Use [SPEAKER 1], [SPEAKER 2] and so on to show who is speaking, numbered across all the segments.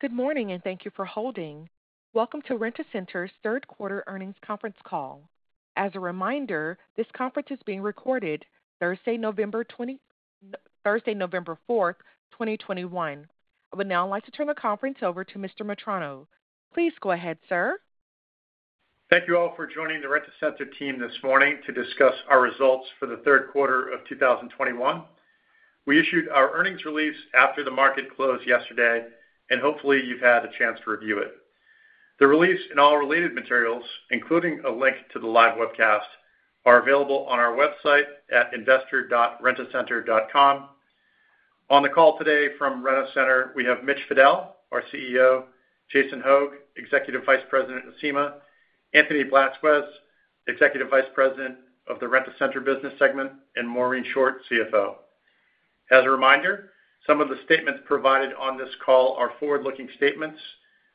[SPEAKER 1] Good morning, and thank you for holding. Welcome to Rent-A-Center's Q3 earnings conference call. As a reminder, this conference is being recorded, Thursday, November 4, 2021. I would now like to turn the conference over to Mr. Metrano. Please go ahead, sir.
[SPEAKER 2] Thank you all for joining the Rent-A-Center team this morning to discuss our results for the Q3 of 2021. We issued our earnings release after the market closed yesterday, and hopefully, you've had a chance to review it. The release and all related materials, including a link to the live webcast, are available on our website at investor.rentacenter.com. On the call today from Rent-A-Center, we have Mitch Fadel, our CEO, Jason Hogg, Executive Vice President of Acima, Anthony Blasquez, Executive Vice President of the Rent-A-Center business segment, and Maureen Short, CFO. As a reminder, some of the statements provided on this call are forward-looking statements,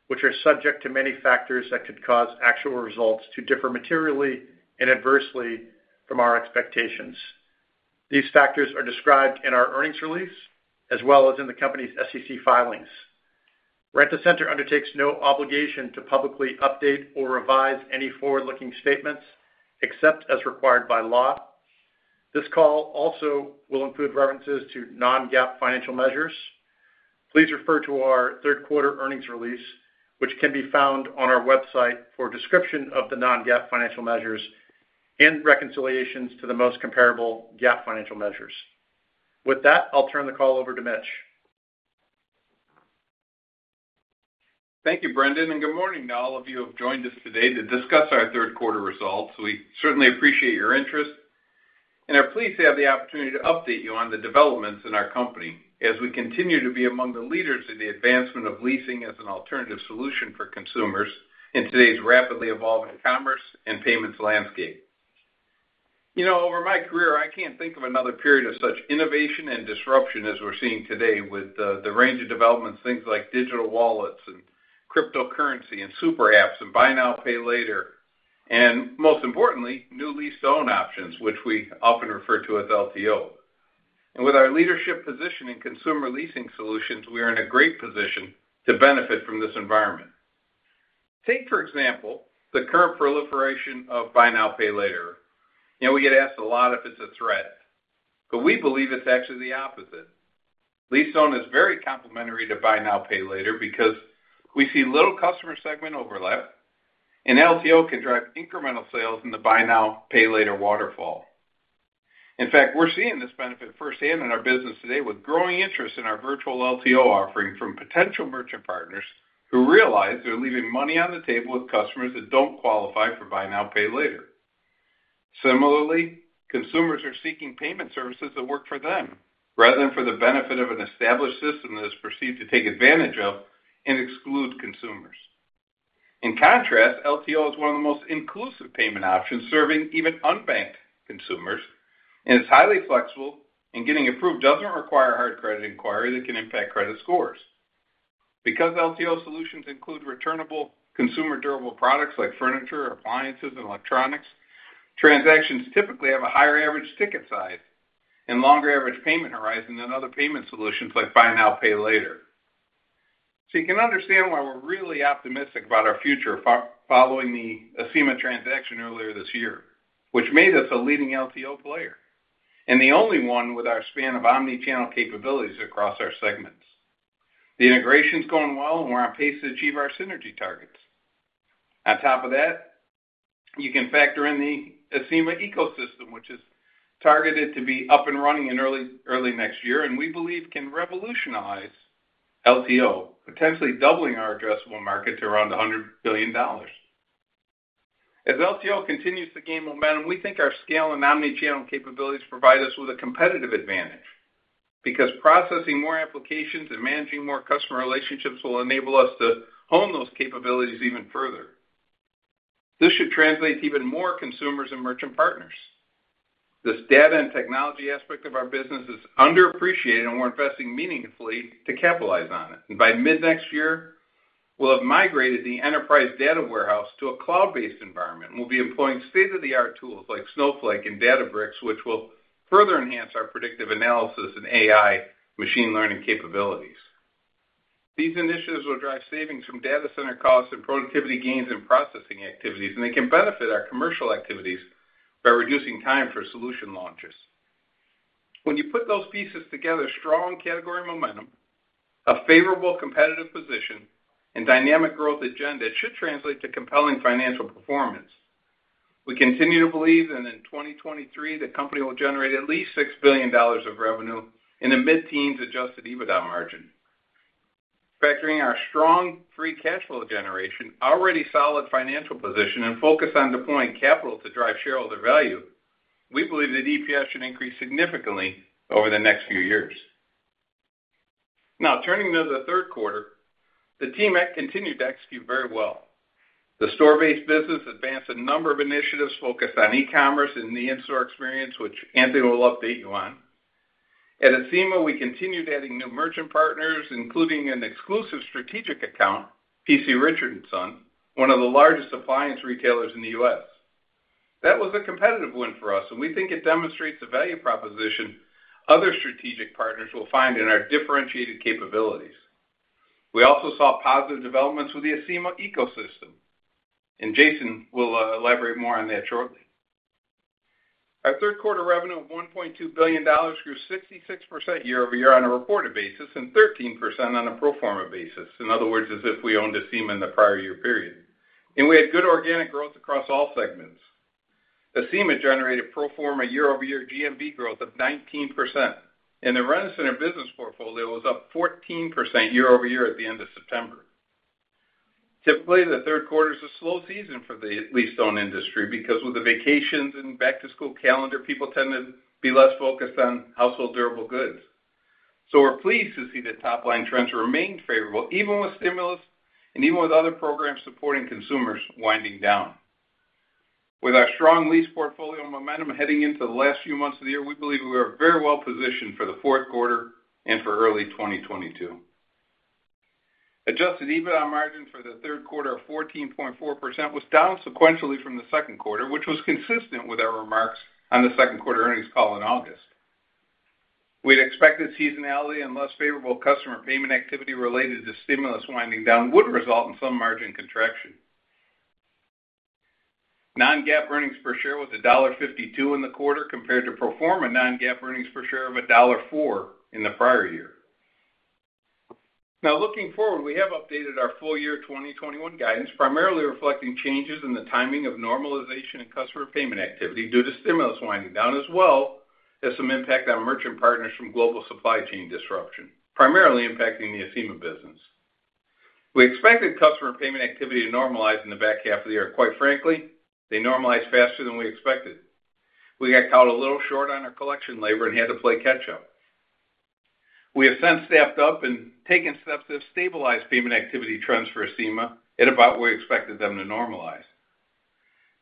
[SPEAKER 2] which are subject to many factors that could cause actual results to differ materially and adversely from our expectations. These factors are described in our earnings release as well as in the company's SEC filings. Rent-A-Center undertakes no obligation to publicly update or revise any forward-looking statements except as required by law. This call also will include references to non-GAAP financial measures. Please refer to our Q3 earnings release, which can be found on our website for a description of the non-GAAP financial measures and reconciliations to the most comparable GAAP financial measures. With that, I'll turn the call over to Mitch.
[SPEAKER 3] Thank you, Brendan, and good morning to all of you who have joined us today to discuss our Q3 results. We certainly appreciate your interest, and are pleased to have the opportunity to update you on the developments in our company as we continue to be among the leaders in the advancement of leasing as an alternative solution for consumers in today's rapidly evolving commerce and payments landscape. You know, over my career, I can't think of another period of such innovation and disruption as we're seeing today with the range of developments, things like digital wallets and cryptocurrency and super apps and buy now, pay later, and most importantly, new lease-to-own options, which we often refer to as LTO. With our leadership position in consumer leasing solutions, we are in a great position to benefit from this environment. Take, for example, the current proliferation of buy now, pay later. You know, we get asked a lot if it's a threat, but we believe it's actually the opposite. Lease-to-own is very complementary to buy now, pay later because we see little customer segment overlap, and LTO can drive incremental sales in the buy now, pay later waterfall. In fact, we're seeing this benefit firsthand in our business today with growing interest in our virtual LTO offering from potential merchant partners who realize they're leaving money on the table with customers that don't qualify for buy now, pay later. Similarly, consumers are seeking payment services that work for them rather than for the benefit of an established system that is perceived to take advantage of and exclude consumers. In contrast, LTO is one of the most inclusive payment options serving even unbanked consumers, and it's highly flexible, and getting approved doesn't require a hard credit inquiry that can impact credit scores. Because LTO solutions include returnable consumer durable products like furniture, appliances, and electronics, transactions typically have a higher average ticket size, and longer average payment horizon than other payment solutions like buy now, pay later. You can understand why we're really optimistic about our future following the Acima transaction earlier this year, which made us a leading LTO player, and the only one with our span of omni-channel capabilities across our segments. The integration's going well, and we're on pace to achieve our synergy targets. On top of that, you can factor in the Acima ecosystem, which is targeted to be up and running in early next year, and we believe can revolutionize LTO, potentially doubling our addressable market to around $100 billion. As LTO continues to gain momentum, we think our scale and omni-channel capabilities provide us with a competitive advantage because processing more applications and managing more customer relationships will enable us to hone those capabilities even further. This should translate to even more consumers and merchant partners. This data and technology aspect of our business is underappreciated, and we're investing meaningfully to capitalize on it. By mid-next year, we'll have migrated the enterprise data warehouse to a cloud-based environment, and we'll be employing state-of-the-art tools like Snowflake and Databricks, which will further enhance our predictive analysis and AI machine learning capabilities. These initiatives will drive savings from data center costs and productivity gains in processing activities, and they can benefit our commercial activities by reducing time for solution launches. When you put those pieces together, strong category momentum, a favorable competitive position, and dynamic growth agenda, it should translate to compelling financial performance. We continue to believe that in 2023, the company will generate at least $6 billion of revenue in the mid-teens% adjusted EBITDA margin. Factoring our strong free cash flow generation, already solid financial position, and focus on deploying capital to drive shareholder value, we believe that EPS should increase significantly over the next few years. Now, turning to the Q3, the team continued to execute very well. The store-based business advanced a number of initiatives focused on e-commerce and the in-store experience, which Anthony will update you on. At Acima, we continued adding new merchant partners, including an exclusive strategic account, P.C. Richard & Son, one of the largest appliance retailers in the US That was a competitive win for us, and we think it demonstrates the value proposition other strategic partners will find in our differentiated capabilities. We also saw positive developments with the Acima ecosystem, and Jason will elaborate more on that shortly. Our Q3 revenue of $1.2 billion grew 66% year-over-year on a reported basis and 13% on a pro forma basis. In other words, as if we owned Acima in the prior year period. We had good organic growth across all segments. Acima generated pro forma year-over-year GMV growth of 19%, and the Rent-A-Center business portfolio was up 14% year-over-year at the end of September. Typically, the Q3 is a slow season for the lease-to-own industry because with the vacations and back-to-school calendar, people tend to be less focused on household durable goods. We're pleased to see that top-line trends remained favorable, even with stimulus and even with other programs supporting consumers winding down. With our strong lease portfolio momentum heading into the last few months of the year, we believe we are very well positioned for the Q4 and for early 2022. Adjusted EBITDA margin for the Q3 of 14.4% was down sequentially from the Q2, which was consistent with our remarks on the Q2 earnings call in August. We had expected seasonality and less favorable customer payment activity related to stimulus winding down would result in some margin contraction. Non-GAAP earnings per share was $1.52 in the quarter compared to pro forma non-GAAP earnings per share of $1.04 in the prior year. Now, looking forward, we have updated our full year 2021 guidance, primarily reflecting changes in the timing of normalization in customer payment activity due to stimulus winding down, as well as some impact on merchant partners from global supply chain disruption, primarily impacting the Acima business. We expected customer payment activity to normalize in the back half of the year. Quite frankly, they normalized faster than we expected. We got caught a little short on our collection labor and had to play catch-up. We have since staffed up and taken steps to stabilize payment activity trends for Acima at about where we expected them to normalize.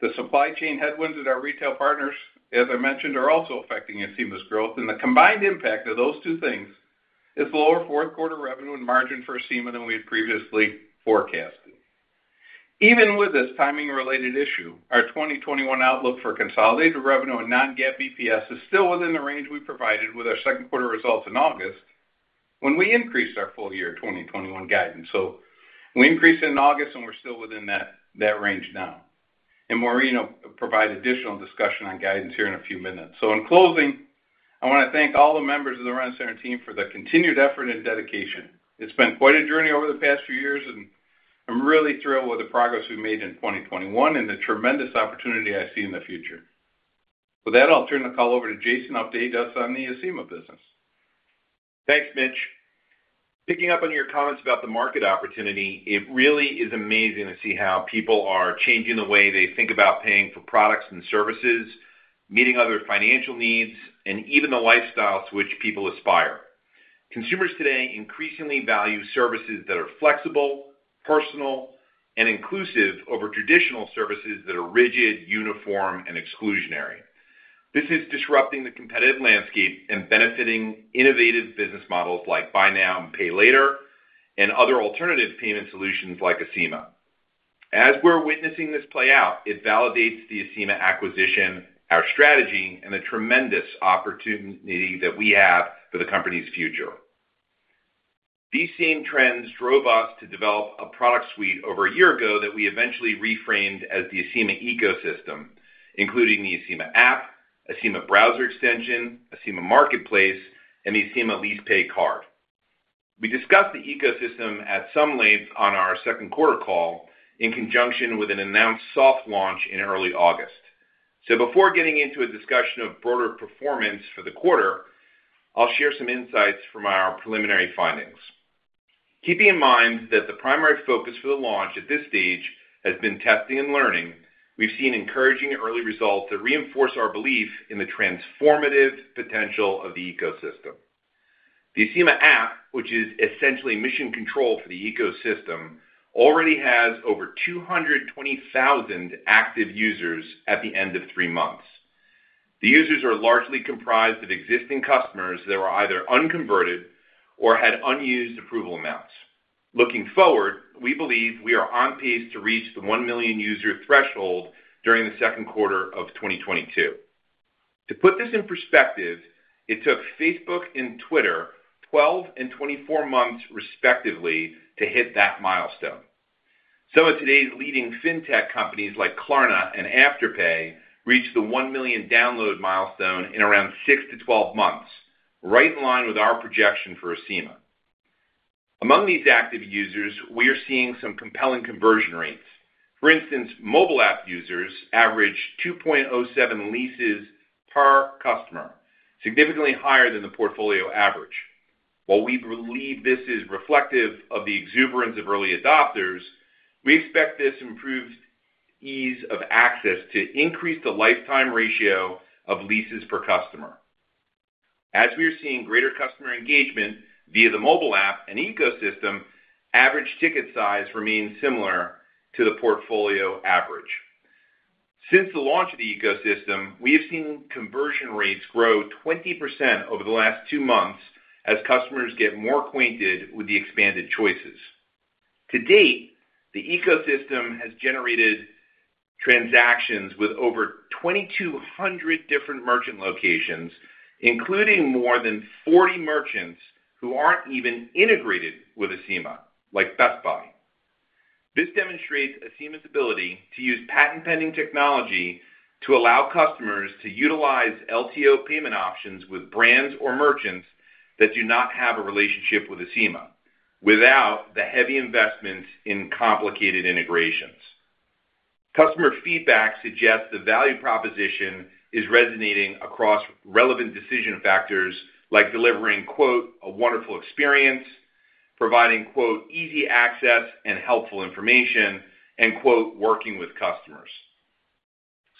[SPEAKER 3] The supply chain headwinds at our retail partners, as I mentioned, are also affecting Acima's growth, and the combined impact of those two things is lower Q4 revenue and margin for Acima than we had previously forecasted. Even with this timing-related issue, our 2021 outlook for consolidated revenue and non-GAAP EPS is still within the range we provided with our Q2 results in August when we increased our full year 2021 guidance. We increased it in August, and we're still within that range now. Maureen will provide additional discussion on guidance here in a few minutes. In closing, I want to thank all the members of the Rent-A-Center team for their continued effort and dedication. It's been quite a journey over the past few years, and I'm really thrilled with the progress we've made in 2021 and the tremendous opportunity I see in the future. With that, I'll turn the call over to Jason to update us on the Acima business.
[SPEAKER 4] Thanks, Mitch. Picking up on your comments about the market opportunity, it really is amazing to see how people are changing the way they think about paying for products and services, meeting other financial needs, and even the lifestyles to which people aspire. Consumers today increasingly value services that are flexible, personal, and inclusive over traditional services that are rigid, uniform, and exclusionary. This is disrupting the competitive landscape and benefiting innovative business models like buy now and pay later, and other alternative payment solutions like Acima. As we're witnessing this play out, it validates the Acima acquisition, our strategy, and the tremendous opportunity that we have for the company's future. These same trends drove us to develop a product suite over a year ago that we eventually reframed as the Acima ecosystem, including the Acima app, Acima browser extension, Acima marketplace, and the Acima LeasePay card. We discussed the ecosystem at some length on our Q2 call in conjunction with an announced soft launch in early August. Before getting into a discussion of broader performance for the quarter, I'll share some insights from our preliminary findings. Keeping in mind that the primary focus for the launch at this stage has been testing and learning, we've seen encouraging early results that reinforce our belief in the transformative potential of the ecosystem. The Acima app, which is essentially mission control for the ecosystem, already has over 220,000 active users at the end of three months. The users are largely comprised of existing customers that were either unconverted or had unused approval amounts. Looking forward, we believe we are on pace to reach the 1 million user threshold during the Q2 of 2022. To put this in perspective, it took Facebook and Twitter 12 and 24 months, respectively, to hit that milestone. Some of today's leading fintech companies like Klarna and Afterpay reached the 1 million download milestone in around six to 12 months, right in line with our projection for Acima. Among these active users, we are seeing some compelling conversion rates. For instance, mobile app users average 2.07 leases per customer, significantly higher than the portfolio average. While we believe this is reflective of the exuberance of early adopters, we expect this improved ease of access to increase the lifetime ratio of leases per customer. As we are seeing greater customer engagement via the mobile app and ecosystem, average ticket size remains similar to the portfolio average. Since the launch of the ecosystem, we have seen conversion rates grow 20% over the last two months as customers get more acquainted with the expanded choices. To date, the ecosystem has generated transactions with over 2,200 different merchant locations, including more than 40 merchants who aren't even integrated with Acima, like Best Buy. This demonstrates Acima's ability to use patent-pending technology to allow customers to utilize LTO payment options with brands or merchants that do not have a relationship with Acima without the heavy investment in complicated integrations. Customer feedback suggests the value proposition is resonating across relevant decision factors like delivering, quote, a wonderful experience, providing, quote, easy access and helpful information, and, quote, working with customers.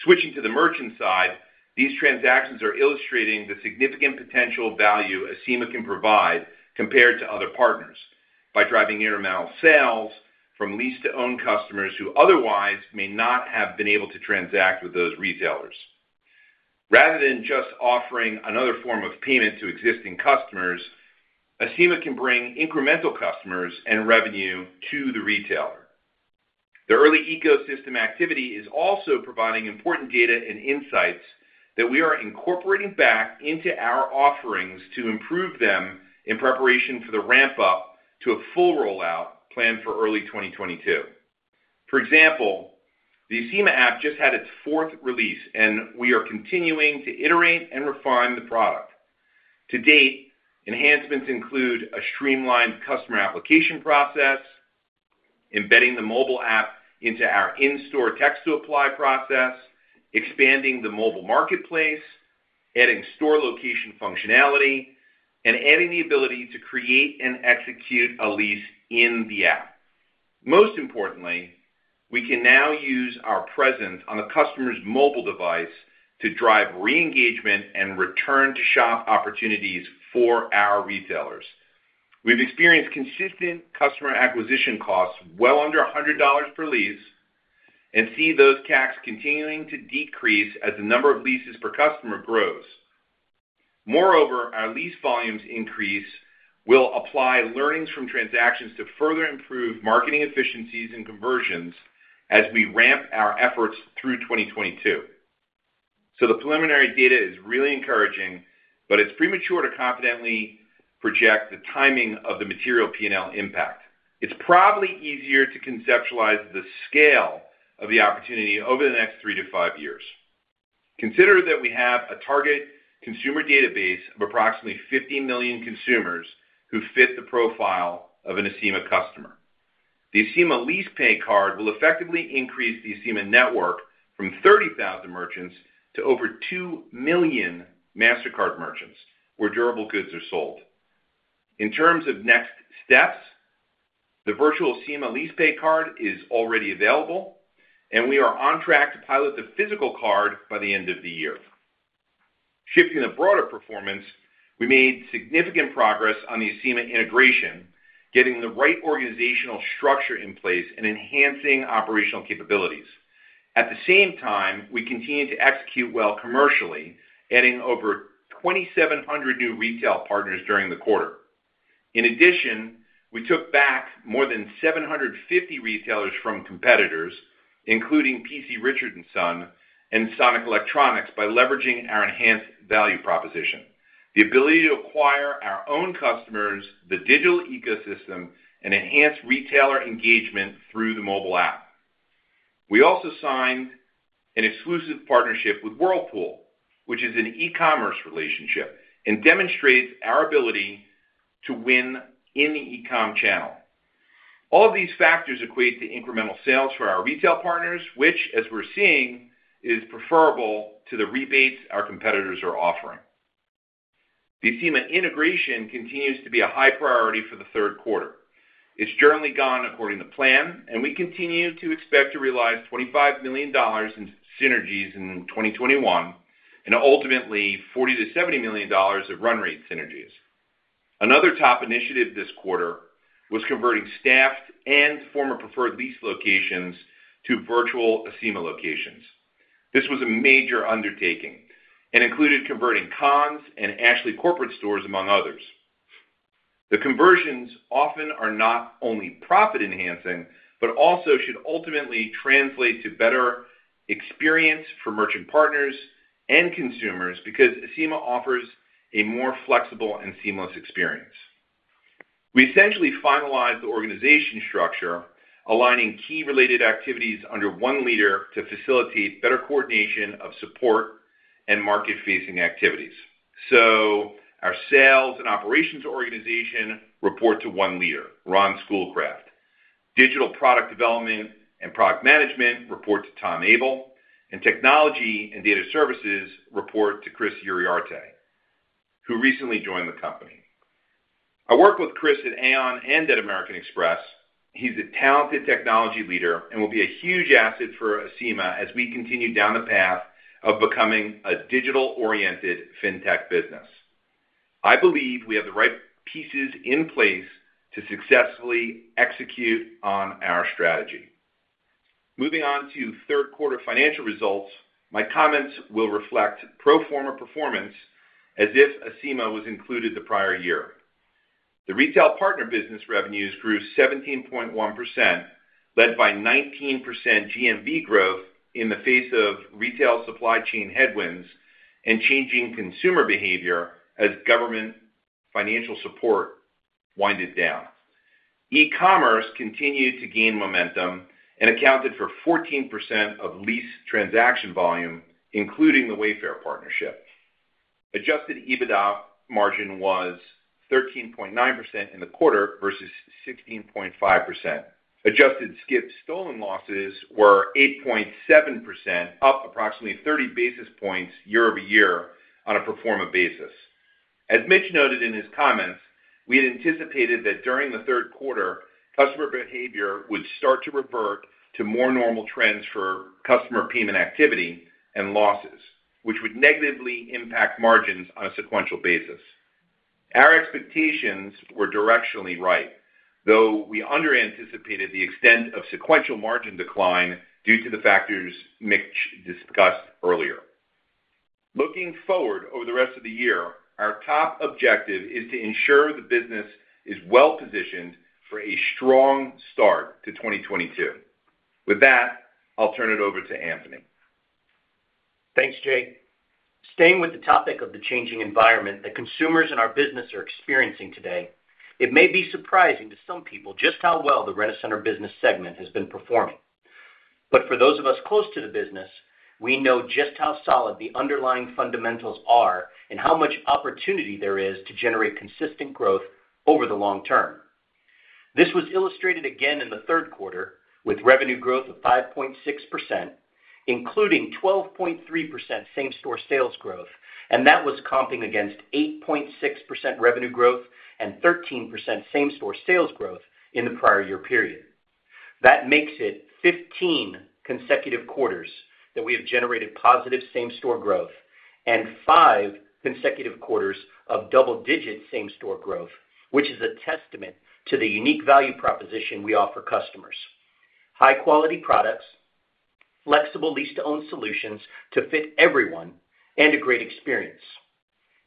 [SPEAKER 4] Switching to the merchant side, these transactions are illustrating the significant potential value Acima can provide compared to other partners by driving incremental sales from lease-to-own customers who otherwise may not have been able to transact with those retailers. Rather than just offering another form of payment to existing customers, Acima can bring incremental customers and revenue to the retailer. The early ecosystem activity is also providing important data and insights that we are incorporating back into our offerings to improve them in preparation for the ramp-up to a full rollout planned for early 2022. For example, the Acima app just had its fourth release, and we are continuing to iterate and refine the product. To date, enhancements include a streamlined customer application process, embedding the mobile app into our in-store text-to-apply process, expanding the mobile marketplace, adding store location functionality, and adding the ability to create and execute a lease in the app. Most importantly, we can now use our presence on a customer's mobile device to drive re-engagement and return-to-shop opportunities for our retailers. We've experienced consistent customer acquisition costs well under $100 per lease and see those CACs continuing to decrease as the number of leases per customer grows. Moreover, as our lease volumes increase, we will apply learnings from transactions to further improve marketing efficiencies and conversions as we ramp our efforts through 2022. The preliminary data is really encouraging, but it's premature to confidently project the timing of the material P&L impact. It's probably easier to conceptualize the scale of the opportunity over the next three to five years. Consider that we have a target consumer database of approximately 50 million consumers who fit the profile of an Acima customer. The Acima LeasePay card will effectively increase the Acima network from 30,000 merchants to over 2 million Mastercard merchants where durable goods are sold. In terms of next steps, the virtual Acima LeasePay card is already available, and we are on track to pilot the physical card by the end of the year. Shifting to broader performance, we made significant progress on the Acima integration, getting the right organizational structure in place and enhancing operational capabilities. At the same time, we continued to execute well commercially, adding over 2,700 new retail partners during the quarter. In addition, we took back more than 750 retailers from competitors, including P.C. Richard & Son and Sonic Electronix, by leveraging our enhanced value proposition, the ability to acquire our own customers, the digital ecosystem, and enhance retailer engagement through the mobile app. We also signed an exclusive partnership with Whirlpool, which is an e-commerce relationship and demonstrates our ability to win in the e-com channel. All of these factors equate to incremental sales for our retail partners, which, as we're seeing, is preferable to the rebates our competitors are offering. The Acima integration continues to be a high priority for the Q3. It's generally gone according to plan, and we continue to expect to realize $25 million in synergies in 2021 and ultimately $40 million-$70 million of run rate synergies. Another top initiative this quarter was converting staffed and former Preferred Lease locations to virtual Acima locations. This was a major undertaking and included converting Conn's and Ashley corporate stores, among others. The conversions often are not only profit-enhancing but also should ultimately translate to better experience for merchant partners and consumers because Acima offers a more flexible and seamless experience. We essentially finalized the organization structure, aligning key related activities under one leader to facilitate better coordination of support and market-facing activities. Our sales and operations organization report to one leader, Ron Schoolcraft. Digital product development and product management report to Tom Abel. Technology and data services report to Chris Uriarte, who recently joined the company. I worked with Chris at Aon and at American Express. He's a talented technology leader and will be a huge asset for Acima as we continue down the path of becoming a digital-oriented fintech business. I believe we have the right pieces in place to successfully execute on our strategy. Moving on to Q3 financial results, my comments will reflect pro forma performance as if Acima was included the prior year. The retail partner business revenues grew 17.1%, led by 19% GMV growth in the face of retail supply chain headwinds and changing consumer behavior as government financial support wound down. E-commerce continued to gain momentum and accounted for 14% of lease transaction volume, including the Wayfair partnership. Adjusted EBITDA margin was 13.9% in the quarter versus 16.5%. Adjusted skip/stolen losses were 8.7%, up approximately 30 basis points year-over-year on a pro forma basis. As Mitch noted in his comments, we had anticipated that during the Q3, customer behavior would start to revert to more normal trends for customer payment activity and losses, which would negatively impact margins on a sequential basis. Our expectations were directionally right, though we underanticipated the extent of sequential margin decline due to the factors Mitch discussed earlier. Looking forward over the rest of the year, our top objective is to ensure the business is well-positioned for a strong start to 2022. With that, I'll turn it over to Anthony.
[SPEAKER 5] Thanks, Jay. Staying with the topic of the changing environment that consumers in our business are experiencing today, it may be surprising to some people just how well the Rent-A-Center business segment has been performing. For those of us close to the business, we know just how solid the underlying fundamentals are and how much opportunity there is to generate consistent growth over the long term. This was illustrated again in the Q3 with revenue growth of 5.6%, including 12.3% same-store sales growth, and that was comping against 8.6% revenue growth and 13% same-store sales growth in the prior year period. That makes it 15 consecutive quarters that we have generated positive same-store growth and five consecutive quarters of double-digit same-store growth, which is a testament to the unique value proposition we offer customers. High-quality products, flexible lease-to-own solutions to fit everyone, and a great experience.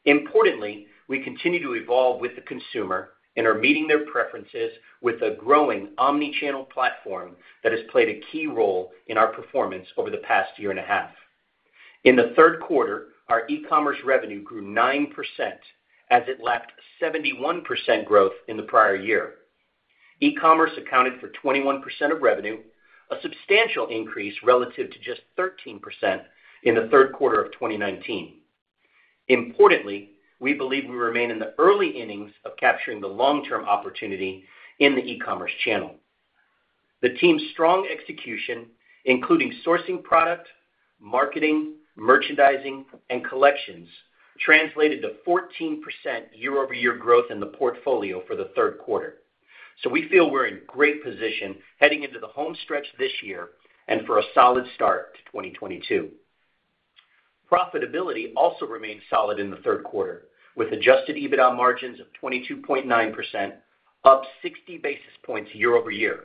[SPEAKER 5] Importantly, we continue to evolve with the consumer and are meeting their preferences with a growing omni-channel platform that has played a key role in our performance over the past year and a half. In the Q3, our e-commerce revenue grew 9% as it lapped 71% growth in the prior year. E-commerce accounted for 21% of revenue, a substantial increase relative to just 13% in the Q3 of 2019. Importantly, we believe we remain in the early innings of capturing the long-term opportunity in the e-commerce channel. The team's strong execution, including sourcing product, marketing, merchandising, and collections, translated to 14% year-over-year growth in the portfolio for the Q3. We feel we're in great position heading into the home stretch this year and for a solid start to 2022. Profitability also remained solid in the Q3 with adjusted EBITDA margins of 22.9%, up 60 basis points year-over-year,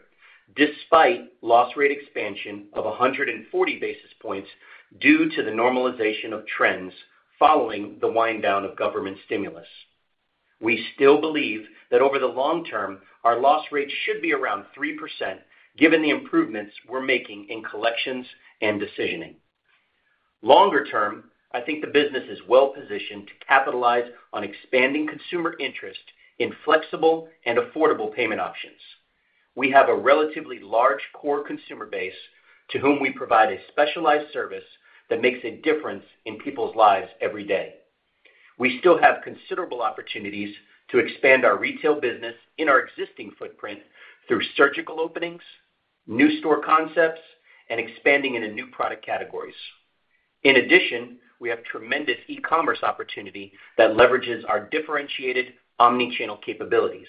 [SPEAKER 5] despite loss rate expansion of 140 basis points due to the normalization of trends following the wind-down of government stimulus. We still believe that over the long term, our loss rate should be around 3% given the improvements we're making in collections and decisioning. Longer term, I think the business is well-positioned to capitalize on expanding consumer interest in flexible and affordable payment options. We have a relatively large core consumer base to whom we provide a specialized service that makes a difference in people's lives every day. We still have considerable opportunities to expand our retail business in our existing footprint through surgical openings, new store concepts, and expanding into new product categories. In addition, we have tremendous e-commerce opportunity that leverages our differentiated omni-channel capabilities.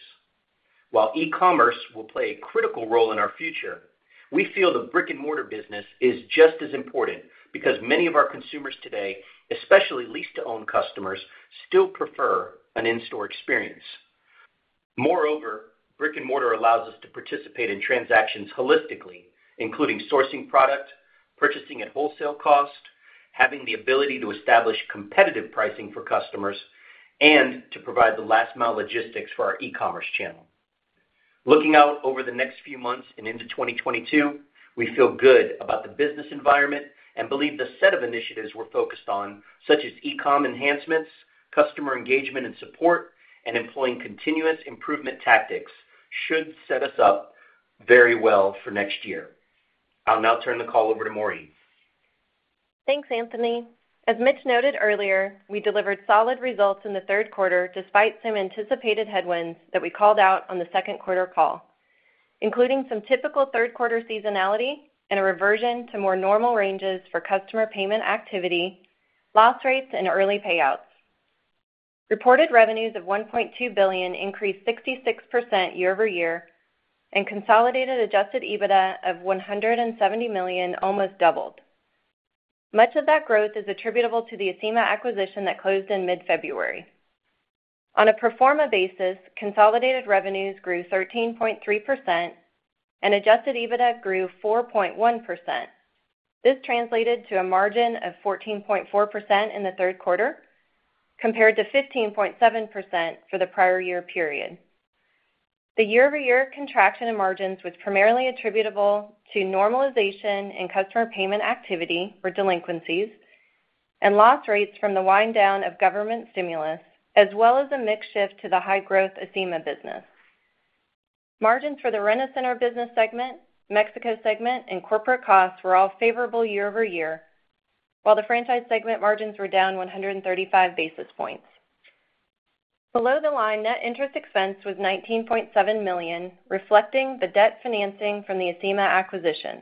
[SPEAKER 5] While e-commerce will play a critical role in our future, we feel the brick-and-mortar business is just as important because many of our consumers today, especially lease-to-own customers, still prefer an in-store experience. Moreover, brick-and-mortar allows us to participate in transactions holistically, including sourcing product, purchasing at wholesale cost, having the ability to establish competitive pricing for customers, and to provide the last-mile logistics for our e-commerce channel. Looking out over the next few months and into 2022, we feel good about the business environment and believe the set of initiatives we're focused on, such as e-commerce enhancements, customer engagement and support, and employing continuous improvement tactics should set us up very well for next year. I'll now turn the call over to Maureen.
[SPEAKER 6] Thanks, Anthony. As Mitch noted earlier, we delivered solid results in the Q3 despite some anticipated headwinds that we called out on the Q2 call, including some typical Q3 seasonality and a reversion to more normal ranges for customer payment activity, loss rates, and early payouts. Reported revenues of $1.2 billion increased 66% year-over-year, and consolidated adjusted EBITDA of $170 million almost doubled. Much of that growth is attributable to the Acima acquisition that closed in mid-February. On a pro forma basis, consolidated revenues grew 13.3% and adjusted EBITDA grew 4.1%. This translated to a margin of 14.4% in the Q3 compared to 15.7% for the prior year period. The year-over-year contraction in margins was primarily attributable to normalization in customer payment activity for delinquencies and loss rates from the wind down of government stimulus, as well as a mix shift to the high growth Acima business. Margins for the Rent-A-Center business segment, Mexico segment, and corporate costs were all favorable year-over-year, while the franchise segment margins were down 135 basis points. Below the line net interest expense was $19.7 million, reflecting the debt financing from the Acima acquisition.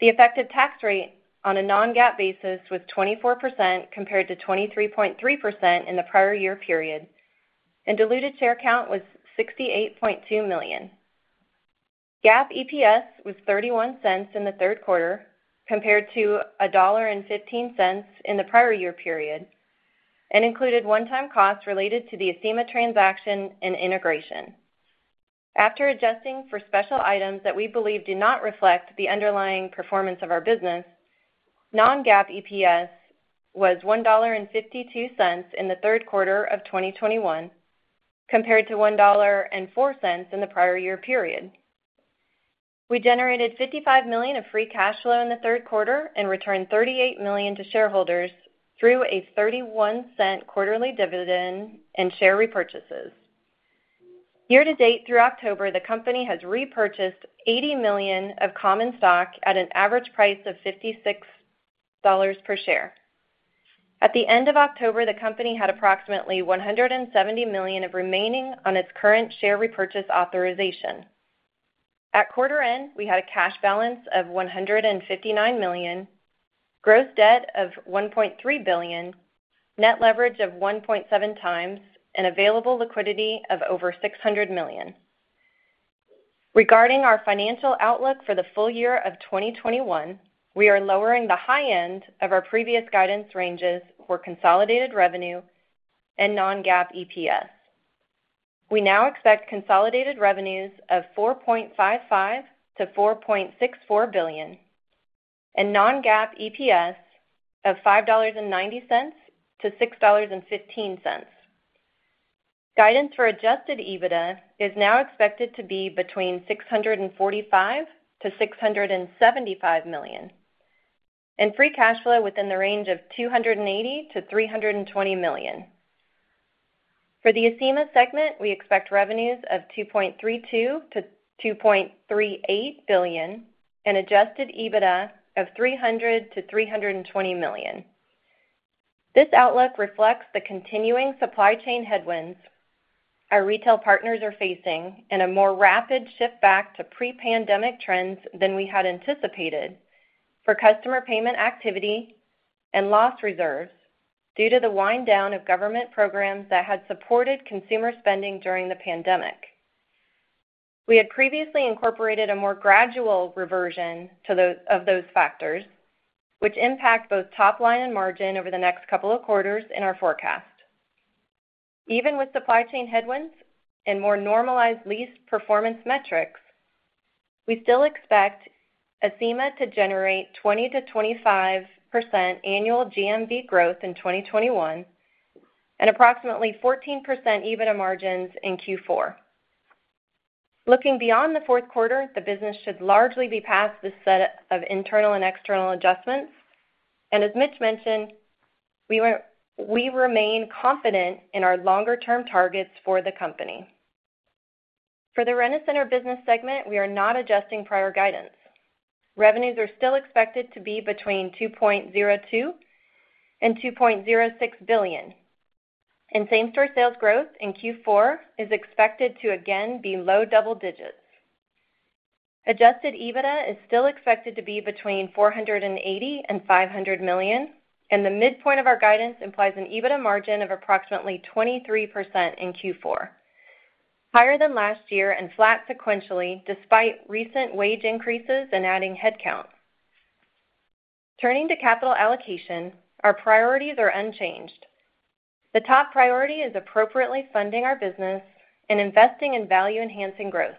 [SPEAKER 6] The effective tax rate on a non-GAAP basis was 24% compared to 23.3% in the prior year period, and diluted share count was 68.2 million. GAAP EPS was $0.31 in the Q3 compared to $1.15 in the prior year period and included one-time costs related to the Acima transaction and integration. After adjusting for special items that we believe do not reflect the underlying performance of our business, non-GAAP EPS was $1.52 in the Q3 of 2021 compared to $1.04 in the prior year period. We generated $55 million of free cash flow in the Q3 and returned $38 million to shareholders through a $0.31 quarterly dividend and share repurchases. Year to date through October, the company has repurchased $80 million of common stock at an average price of $56 per share. At the end of October, the company had approximately $170 million of remaining on its current share repurchase authorization. At quarter end, we had a cash balance of $159 million, gross debt of $1.3 billion, net leverage of 1.7x, and available liquidity of over $600 million. Regarding our financial outlook for the full year of 2021, we are lowering the high end of our previous guidance ranges for consolidated revenue and non-GAAP EPS. We now expect consolidated revenues of $4.55 billion-$4.64 billion and non-GAAP EPS of $5.90-$6.15. Guidance for adjusted EBITDA is now expected to be between $645 million-$675 million and free cash flow within the range of $280 million-$320 million. For the Acima segment, we expect revenues of $2.32 billion-$2.38 billion and adjusted EBITDA of $300 million-$320 million. This outlook reflects the continuing supply chain headwinds our retail partners are facing and a more rapid shift back to pre-pandemic trends than we had anticipated for customer payment activity and loss reserves due to the wind down of government programs that had supported consumer spending during the pandemic. We had previously incorporated a more gradual reversion to those factors, which impact both top line and margin over the next couple of quarters in our forecast. Even with supply chain headwinds and more normalized lease performance metrics, we still expect Acima to generate 20%-25% annual GMV growth in 2021 and approximately 14% EBITDA margins in Q4. Looking beyond the Q4, the business should largely be past this set of internal and external adjustments. As Mitch mentioned, we remain confident in our longer term targets for the company. For the Rent-A-Center business segment, we are not adjusting prior guidance. Revenues are still expected to be between $2.02 billion and $2.06 billion, and same-store sales growth in Q4 is expected to again be low double digits. Adjusted EBITDA is still expected to be between $480 million and $500 million, and the midpoint of our guidance implies an EBITDA margin of approximately 23% in Q4, higher than last year and flat sequentially despite recent wage increases and adding headcount. Turning to capital allocation, our priorities are unchanged. The top priority is appropriately funding our business and investing in value-enhancing growth.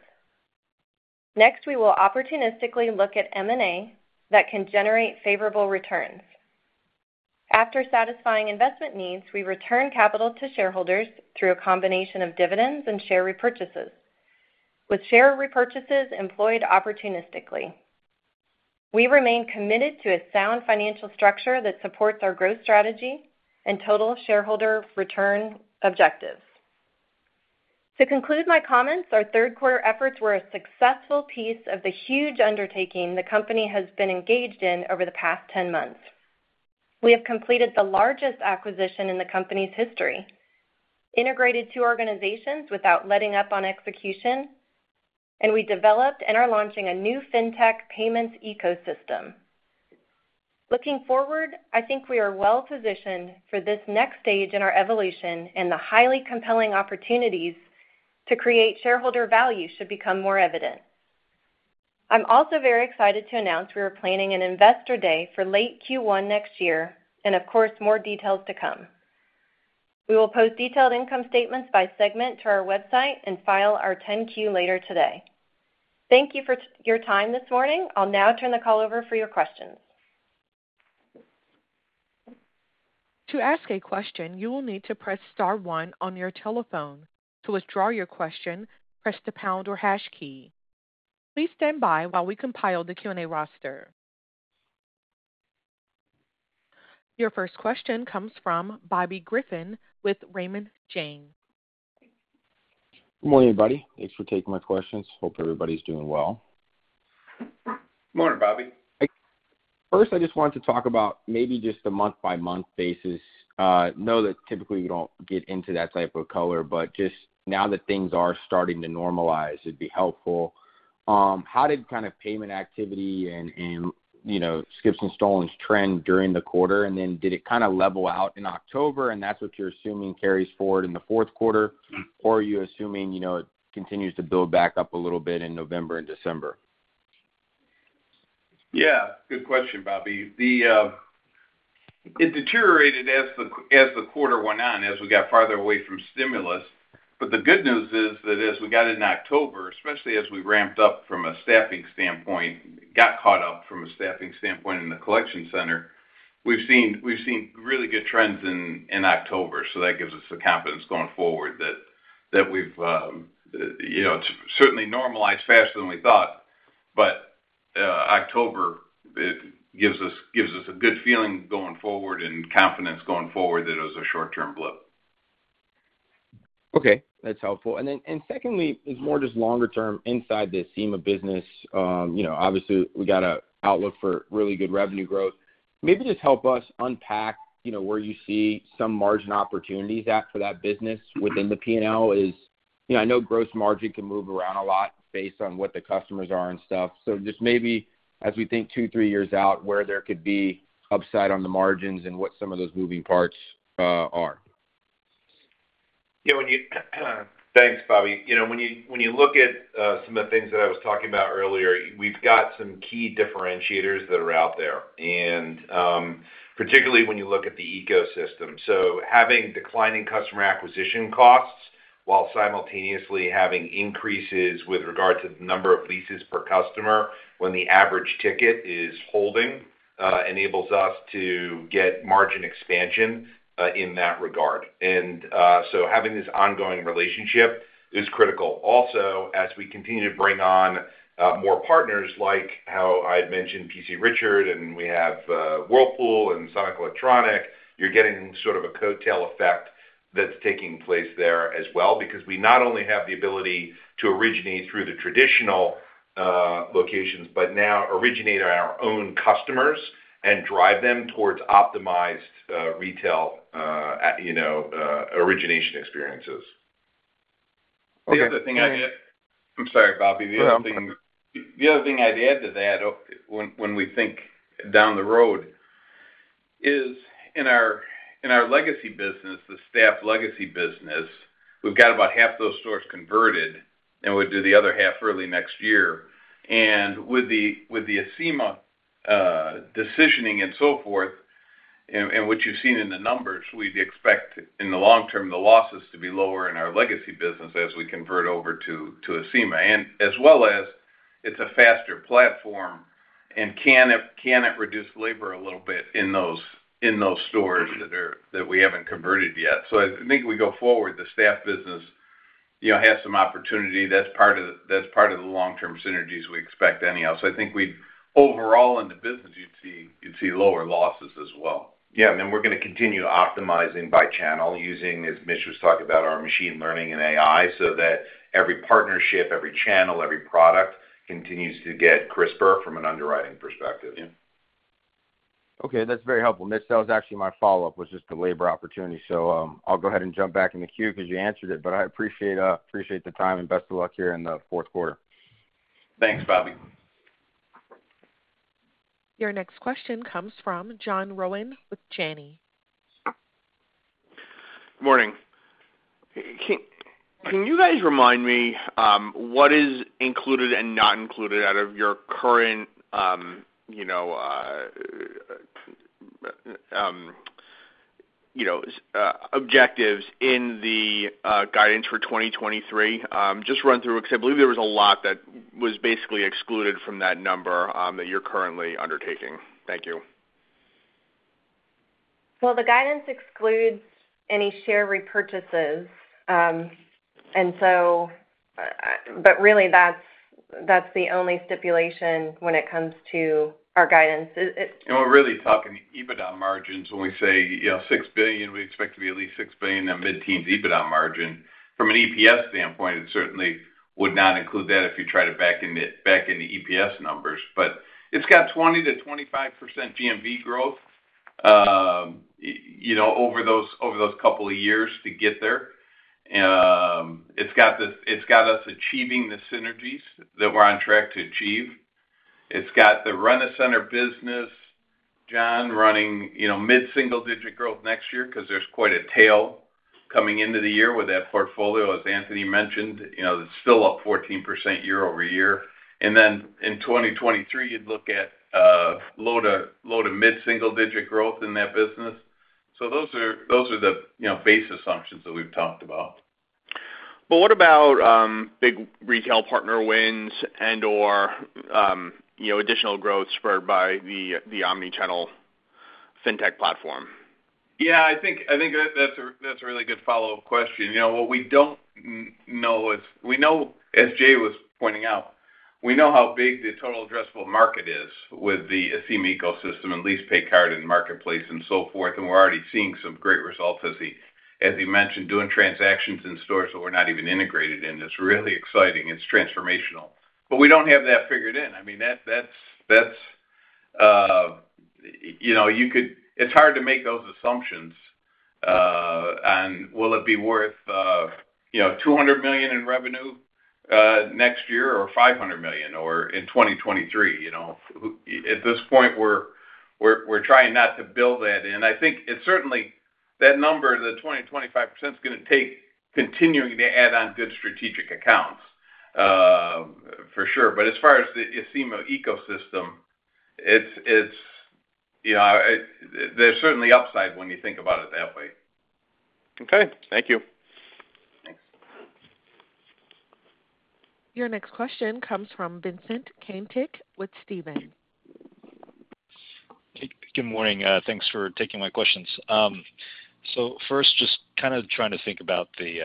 [SPEAKER 6] Next, we will opportunistically look at M&A that can generate favorable returns. After satisfying investment needs, we return capital to shareholders through a combination of dividends and share repurchases. With share repurchases employed opportunistically, we remain committed to a sound financial structure that supports our growth strategy and total shareholder return objectives. To conclude my comments, our Q3 efforts were a successful piece of the huge undertaking the company has been engaged in over the past 10 months. We have completed the largest acquisition in the company's history, integrated two organizations without letting up on execution, and we developed and are launching a new fintech payments ecosystem. Looking forward, I think we are well positioned for this next stage in our evolution and the highly compelling opportunities To create shareholder value should become more evident. I'm also very excited to announce we are planning an investor day for late Q1 next year, and of course, more details to come. We will post detailed income statements by segment to our website and file our 10-Q later today. Thank you for your time this morning. I'll now turn the call over for your questions.
[SPEAKER 1] Your 1st question comes from Bobby Griffin with Raymond James.
[SPEAKER 7] Good morning, everybody. Thanks for taking my questions. Hope everybody's doing well.
[SPEAKER 3] Good morning, Bobby.
[SPEAKER 7] 1st, I just wanted to talk about maybe just the month-by-month basis. I know that typically you don't get into that type of color, but just now that things are starting to normalize, it'd be helpful. How did kind of payment activity and you know, skips and stolen trend during the quarter? Did it kinda level out in October, and that's what you're assuming carries forward in the Q4?
[SPEAKER 3] Mm.
[SPEAKER 7] are you assuming, you know, it continues to build back up a little bit in November and December?
[SPEAKER 3] Yeah, good question, Bobby. It deteriorated as the quarter went on, as we got farther away from stimulus. The good news is that as we got into October, especially as we ramped up from a staffing standpoint, got caught up from a staffing standpoint in the collection center, we've seen really good trends in October. That gives us the confidence going forward that we've, it's certainly normalized faster than we thought. October, it gives us a good feeling going forward and confidence going forward that it was a short-term blip.
[SPEAKER 7] Okay, that's helpful. Secondly, is more just longer term inside the Acima business. You know, obviously, we got a outlook for really good revenue growth. Maybe just help us unpack, you know, where you see some margin opportunities at for that business within the P&L is. You know, I know gross margin can move around a lot based on what the customers are and stuff. Just maybe as we think two, three years out, where there could be upside on the margins and what some of those moving parts are.
[SPEAKER 4] Thanks, Bobby. You know, when you look at some of the things that I was talking about earlier, we've got some key differentiators that are out there, and particularly when you look at the ecosystem. Having declining customer acquisition costs while simultaneously having increases with regard to the number of leases per customer when the average ticket is holding enables us to get margin expansion in that regard. Having this ongoing relationship is critical. Also, as we continue to bring on more partners, like how I'd mentioned P.C. Richard, and we have Whirlpool and Sony Electronics, you're getting sort of a coattail effect that's taking place there as well because we not only have the ability to originate through the traditional locations, but now originate our own customers and drive them towards optimized retail, you know, origination experiences.
[SPEAKER 7] Okay.
[SPEAKER 3] The other thing I'd add. I'm sorry, Bobby.
[SPEAKER 7] No.
[SPEAKER 3] The other thing I'd add to that when we think down the road is in our legacy business, the store legacy business. We've got about half those stores converted, and we'll do the other half early next year. With the Acima decisioning and so forth, and what you've seen in the numbers, we'd expect in the long term the losses to be lower in our legacy business as we convert over to Acima. As well as it's a faster platform and can it reduce labor a little bit in those stores that we haven't converted yet. I think as we go forward, the store business, you know, has some opportunity. That's part of the long-term synergies we expect anyhow. I think we'd... Overall, in the business, you'd see lower losses as well. Yeah, we're gonna continue optimizing by channel using, as Mitch was talking about, our machine learning and AI so that every partnership, every channel, every product continues to get crisper from an underwriting perspective.
[SPEAKER 7] Yeah. Okay, that's very helpful. Mitch, that was actually my follow-up, was just the labor opportunity. So, I'll go ahead and jump back in the queue because you answered it. But I appreciate the time and best of luck here in the Q4.
[SPEAKER 3] Thanks, Bobby.
[SPEAKER 1] Your next question comes from John Rowan with Janney.
[SPEAKER 8] Morning. Can you guys remind me what is included and not included out of your current objectives in the guidance for 2023? Just run through, because I believe there was a lot that was basically excluded from that number that you're currently undertaking. Thank you.
[SPEAKER 6] Well, the guidance excludes any share repurchases. Really that's the only stipulation when it comes to our guidance.
[SPEAKER 3] We're really talking EBITDA margins when we say, you know, $6 billion, we expect to be at least $6 billion in mid-teens EBITDA margin. From an EPS standpoint, it certainly would not include that if you try to back in the EPS numbers. It's got 20%-25% GMV growth, you know, over those couple of years to get there. It's got us achieving the synergies that we're on track to achieve. It's got the Rent-A-Center business, John, running, you know, mid-single-digit growth next year because there's quite a tail coming into the year with that portfolio, as Anthony mentioned. You know, it's still up 14% year-over-year. Then in 2023, you'd look at low- to mid-single-digit growth in that business. Those are the, you know, base assumptions that we've talked about.
[SPEAKER 9] What about big retail partner wins and/or, you know, additional growth spurred by the omni-channel fintech platform?
[SPEAKER 3] Yeah, I think that's a really good follow-up question. You know, what we don't know is we know, as Jay was pointing out, we know how big the total addressable market is with the Acima ecosystem and LeasePay card and marketplace and so forth, and we're already seeing some great results as he mentioned, doing transactions in stores that we're not even integrated in. It's really exciting. It's transformational. But we don't have that figured in. I mean, that's, you know. It's hard to make those assumptions. And will it be worth, you know, $200 million in revenue next year or $500 million or in 2023, you know? At this point, we're trying not to build that in. I think it's certainly that number, the 20%-25% is gonna take continuing to add on good strategic accounts, for sure. As far as the Acima ecosystem, it's you know, there's certainly upside when you think about it that way.
[SPEAKER 4] Okay. Thank you.
[SPEAKER 3] Thanks.
[SPEAKER 1] Your next question comes from Vincent Caintic with Stephens.
[SPEAKER 10] Good morning. Thanks for taking my questions. 1st, just kind of trying to think about the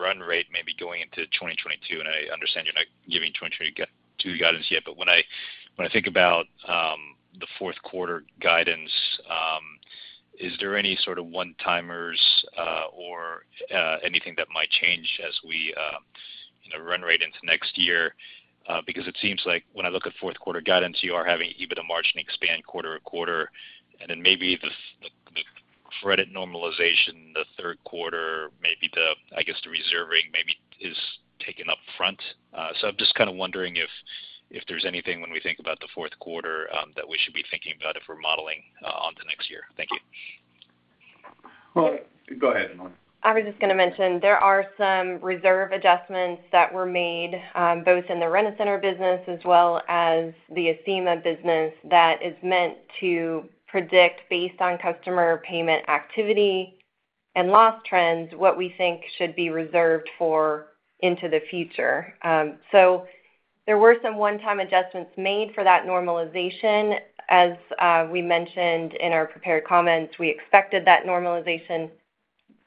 [SPEAKER 10] run rate maybe going into 2022, and I understand you're not giving 2022 guidance yet. When I think about the Q4 guidance, is there any sort of one-timers or anything that might change as we, you know, run rate into next year? Because it seems like when I look at Q4 guidance, you are having EBITDA margin expand quarter-to-quarter, and then maybe the credit normalization the Q3, maybe the, I guess, the reserving is taken up front. I'm just kind of wondering if there's anything when we think about the Q4 that we should be thinking about if we're modeling on to next year. Thank you.
[SPEAKER 3] Well, go ahead, Amara.
[SPEAKER 6] I was just gonna mention there are some reserve adjustments that were made, both in the Rent-A-Center business as well as the Acima business that is meant to predict based on customer payment activity and loss trends, what we think should be reserved for into the future. There were some one-time adjustments made for that normalization. As we mentioned in our prepared comments, we expected that normalization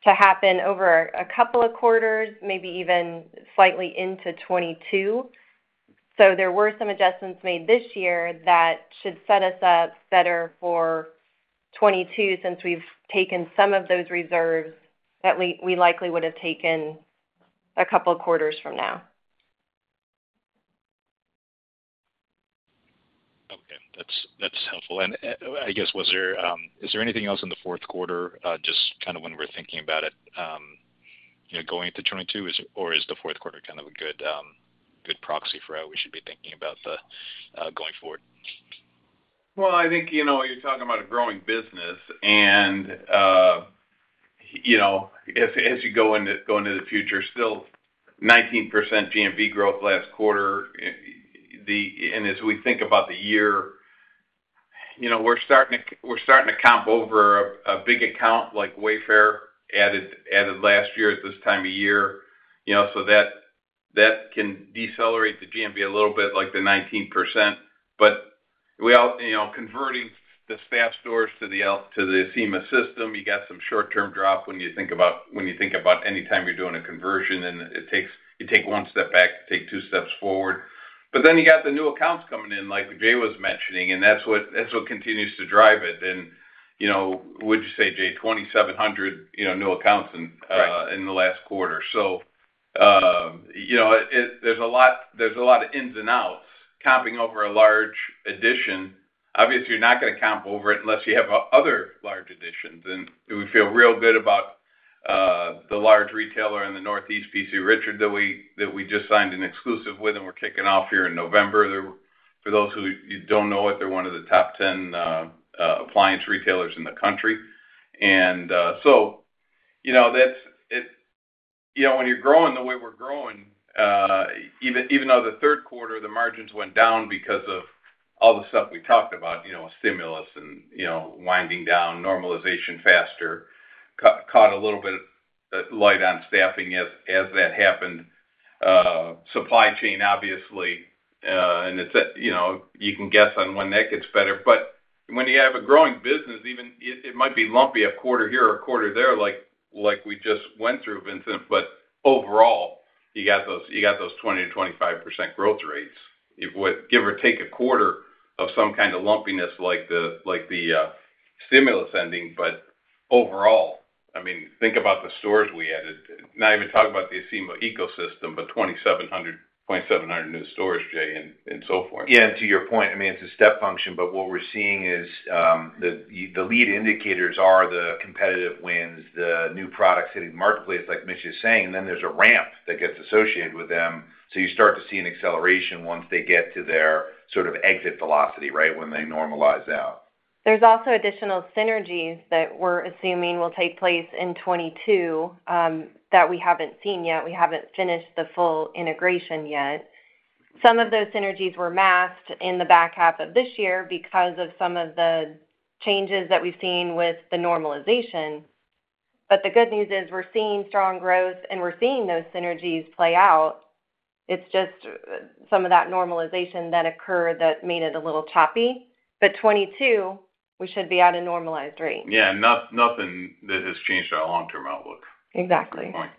[SPEAKER 6] to happen over a couple of quarters, maybe even slightly into 2022. There were some adjustments made this year that should set us up better for 2022 since we've taken some of those reserves that we likely would have taken a couple of quarters from now.
[SPEAKER 10] Okay. That's helpful. I guess, is there anything else in the Q4, just kind of when we're thinking about it, you know, going into 2022 or is the Q4 kind of a good proxy for how we should be thinking about the going forward?
[SPEAKER 3] Well, I think, you know, you're talking about a growing business and, you know, as you go into the future, still 19% GMV growth last quarter. And as we think about the year, you know, we're starting to comp over a big account like Wayfair added last year at this time of year, you know, so that can decelerate the GMV a little bit like the 19%. But, you know, converting the staff stores to the Acima system, you got some short-term drop when you think about anytime you're doing a conversion, and you take one step back, take two steps forward. But then you got the new accounts coming in, like Jay was mentioning, and that's what continues to drive it. You know, would you say, Jay, 2,700, you know, new accounts in-
[SPEAKER 4] Right.
[SPEAKER 3] In the last quarter. You know, there's a lot of ins and outs comping over a large addition. Obviously, you're not gonna comp over it unless you have other large additions. We feel real good about the large retailer in the Northeast, P.C. Richard, that we just signed an exclusive with, and we're kicking off here in November. For those of you who don't know it, they're one of the top 10 appliance retailers in the country. You know, when you're growing the way we're growing, even though the Q3, the margins went down because of all the stuff we talked about, you know, stimulus and, you know, winding down, normalization faster, caught a little bit light on staffing as that happened, supply chain, obviously, and it's at, you know, you can guess on when that gets better. When you have a growing business, even it might be lumpy a quarter here or a quarter there like we just went through, Vincent. Overall, you got those 20%-25% growth rates. It would give or take a quarter of some kind of lumpiness like the stimulus ending. Overall, I mean, think about the stores we added. Not even talking about the Acima ecosystem, but 2,700 new stores, Jay, and so forth.
[SPEAKER 4] Yeah. To your point, I mean, it's a step function, but what we're seeing is the lead indicators are the competitive wins, the new products hitting marketplace, like Mitch is saying, then there's a ramp that gets associated with them. You start to see an acceleration once they get to their sort of exit velocity, right, when they normalize out.
[SPEAKER 6] There's also additional synergies that we're assuming will take place in 2022, that we haven't seen yet. We haven't finished the full integration yet. Some of those synergies were masked in the back half of this year because of some of the changes that we've seen with the normalization. The good news is we're seeing strong growth, and we're seeing those synergies play out. It's just some of that normalization that occurred that made it a little choppy. 2022, we should be at a normalized rate.
[SPEAKER 4] Yeah. Nothing that has changed our long-term outlook.
[SPEAKER 6] Exactly.
[SPEAKER 4] Good point.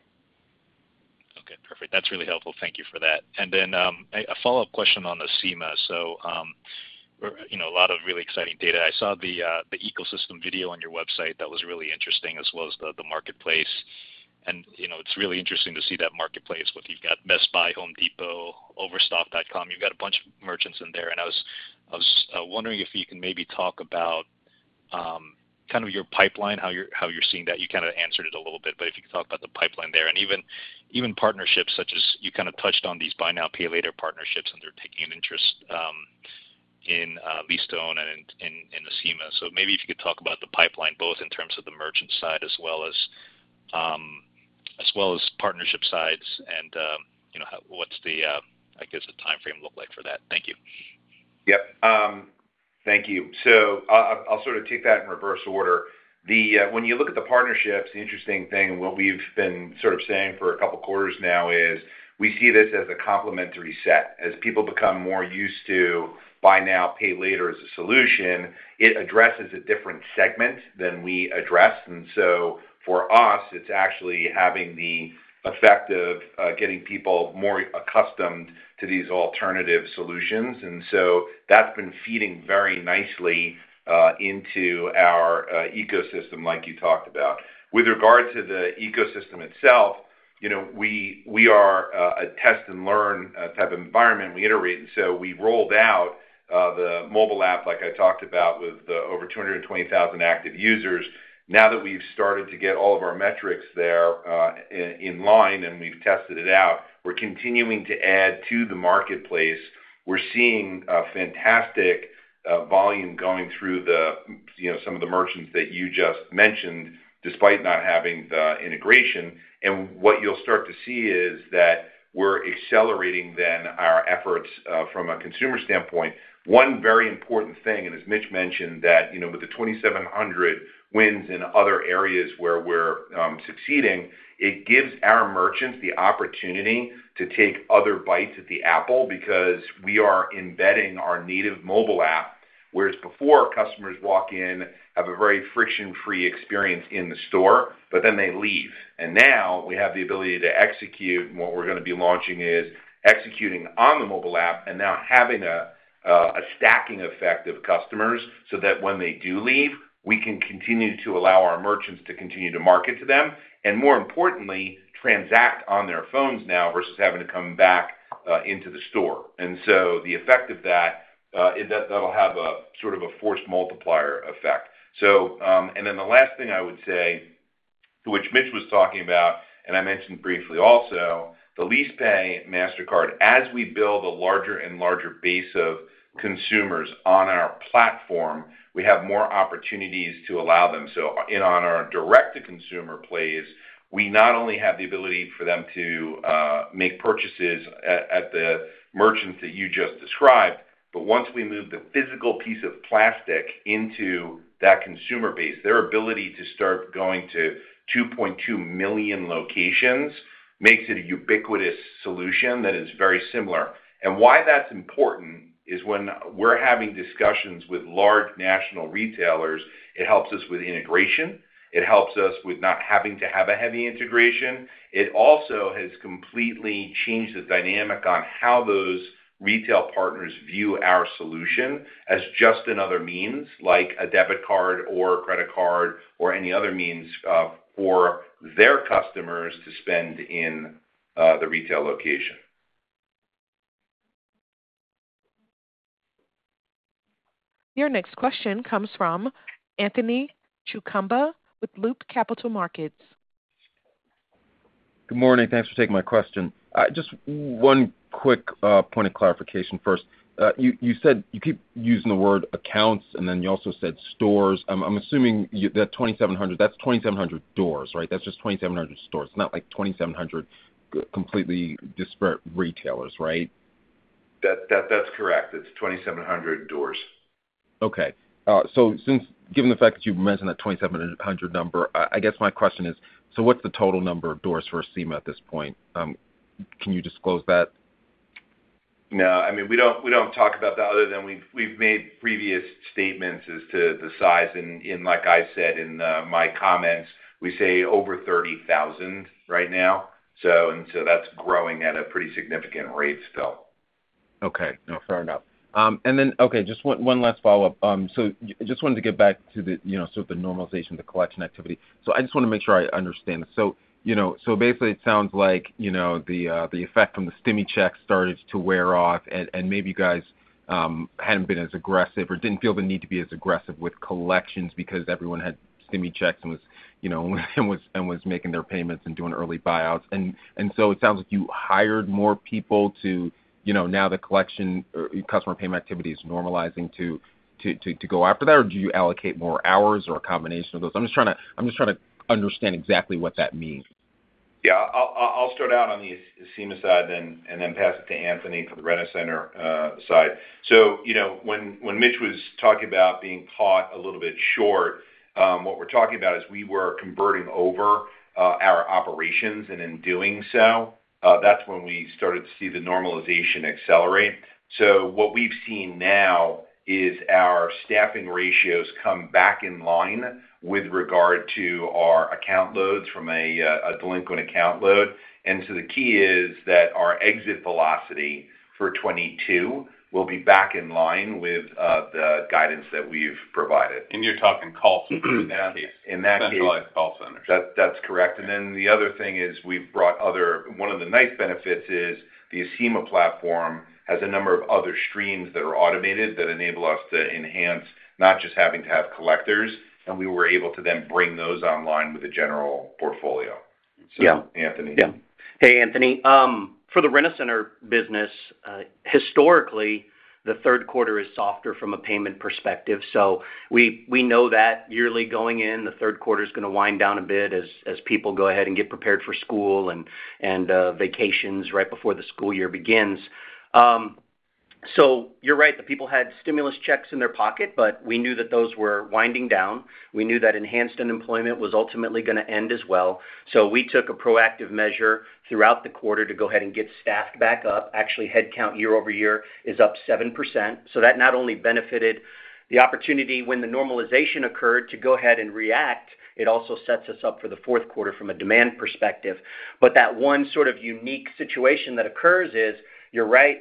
[SPEAKER 10] Okay. Perfect. That's really helpful. Thank you for that. A follow-up question on the Acima. You know a lot of really exciting data. I saw the ecosystem video on your website. That was really interesting, as well as the marketplace. You know it's really interesting to see that marketplace, whether you've got Best Buy, Home Depot, Overstock.com. You've got a bunch of merchants in there. I was wondering if you can maybe talk about kind of your pipeline, how you're seeing that. You kind of answered it a little bit, but if you could talk about the pipeline there. Even partnerships such as you kind of touched on, these buy now, pay later partnerships, and they're taking an interest in lease-to-own and in the Acima. Maybe if you could talk about the pipeline, both in terms of the merchant side as well as partnership sides and, you know, what's the, I guess, the timeframe look like for that? Thank you.
[SPEAKER 4] Yep. Thank you. I'll sort of take that in reverse order. When you look at the partnerships, the interesting thing, and what we've been sort of saying for a couple quarters now is we see this as a complementary set. As people become more used to buy now, pay later as a solution, it addresses a different segment than we address. For us, it's actually having the effect of getting people more accustomed to these alternative solutions. That's been feeding very nicely into our ecosystem like you talked about. With regard to the ecosystem itself, you know, we are a test and learn type of environment. We iterate. We rolled out the mobile app, like I talked about, with over 220,000 active users. Now that we've started to get all of our metrics there, in line, and we've tested it out, we're continuing to add to the marketplace. We're seeing a fantastic volume going through the, you know, some of the merchants that you just mentioned, despite not having the integration. What you'll start to see is that we're accelerating then our efforts from a consumer standpoint. One very important thing, as Mitch mentioned, that, you know, with the 2,700 wins in other areas where we're succeeding, it gives our merchants the opportunity to take other bites at the apple because we are embedding our native mobile app, whereas before, customers walk in, have a very friction-free experience in the store, but then they leave. Now we have the ability to execute, and what we're gonna be launching is executing on the mobile app and now having a stacking effect of customers so that when they do leave, we can continue to allow our merchants to continue to market to them, and more importantly, transact on their phones now versus having to come back into the store. The effect of that that'll have a sort of a force multiplier effect. The last thing I would say, which Mitch was talking about, and I mentioned briefly also, the LeasePay Mastercard. As we build a larger and larger base of consumers on our platform, we have more opportunities to allow them. In our direct-to-consumer plays, we not only have the ability for them to make purchases at the merchants that you just described, but once we move the physical piece of plastic into that consumer base, their ability to start going to 2.2 million locations makes it a ubiquitous solution that is very similar. Why that's important is when we're having discussions with large national retailers, it helps us with integration. It helps us with not having to have a heavy integration. It also has completely changed the dynamic on how those retail partners view our solution as just another means, like a debit card or a credit card or any other means, for their customers to spend in the retail location.
[SPEAKER 1] Your next question comes from Anthony Chukumba with Loop Capital Markets.
[SPEAKER 11] Good morning. Thanks for taking my question. Just one quick point of clarification first. You said you keep using the word accounts, and then you also said stores. I'm assuming that 2,700, that's 2,700 doors, right? That's just 2,700 stores, not like 2,700 completely disparate retailers, right?
[SPEAKER 4] That's correct. It's 2,700 doors.
[SPEAKER 11] Okay. Given the fact that you've mentioned that 2,700 number, I guess my question is, what's the total number of doors for Acima at this point? Can you disclose that?
[SPEAKER 4] No. I mean, we don't talk about that other than we've made previous statements as to the size. Like I said in my comments, we say over 30,000 right now. That's growing at a pretty significant rate still.
[SPEAKER 11] Okay. No, fair enough. Okay, just one last follow-up. Just wanted to get back to the, you know, sort of the normalization, the collection activity. I just wanna make sure I understand this. Basically, it sounds like, you know, the effect from the stimmy check started to wear off and maybe you guys hadn't been as aggressive or didn't feel the need to be as aggressive with collections because everyone had stimmy checks and was making their payments and doing early buyouts. It sounds like you hired more people to, you know, now the collection or customer payment activity is normalizing to go after that, or do you allocate more hours or a combination of those? I'm just trying to understand exactly what that means.
[SPEAKER 4] Yeah, I'll start out on the Acima side then and pass it to Anthony for the Rent-A-Center side. You know, when Mitch was talking about being caught a little bit short, what we're talking about is we were converting over our operations, and in doing so, that's when we started to see the normalization accelerate. What we've seen now is our staffing ratios come back in line with regard to our account loads from a delinquent account load. The key is that our exit velocity for 2022 will be back in line with the guidance that we've provided.
[SPEAKER 11] You're talking call center in that case.
[SPEAKER 4] In that case.
[SPEAKER 11] Centralized call centers.
[SPEAKER 4] That's correct. The other thing is one of the nice benefits is the Acima platform has a number of other streams that are automated that enable us to enhance, not just having to have collectors, and we were able to then bring those online with a general portfolio.
[SPEAKER 11] Yeah.
[SPEAKER 4] Anthony.
[SPEAKER 11] Yeah.
[SPEAKER 5] Hey, Anthony. For the Rent-A-Center business, historically, the Q3 is softer from a payment perspective. We know that yearly going in, the Q3 is gonna wind down a bit as people go ahead and get prepared for school and vacations right before the school year begins. You're right, the people had stimulus checks in their pocket, but we knew that those were winding down. We knew that enhanced unemployment was ultimately gonna end as well. We took a proactive measure throughout the quarter to go ahead and get staffed back up. Actually, headcount year-over-year is up 7%. That not only benefited the opportunity when the normalization occurred to go ahead and react, it also sets us up for the Q4 from a demand perspective. That one sort of unique situation that occurs is, you're right,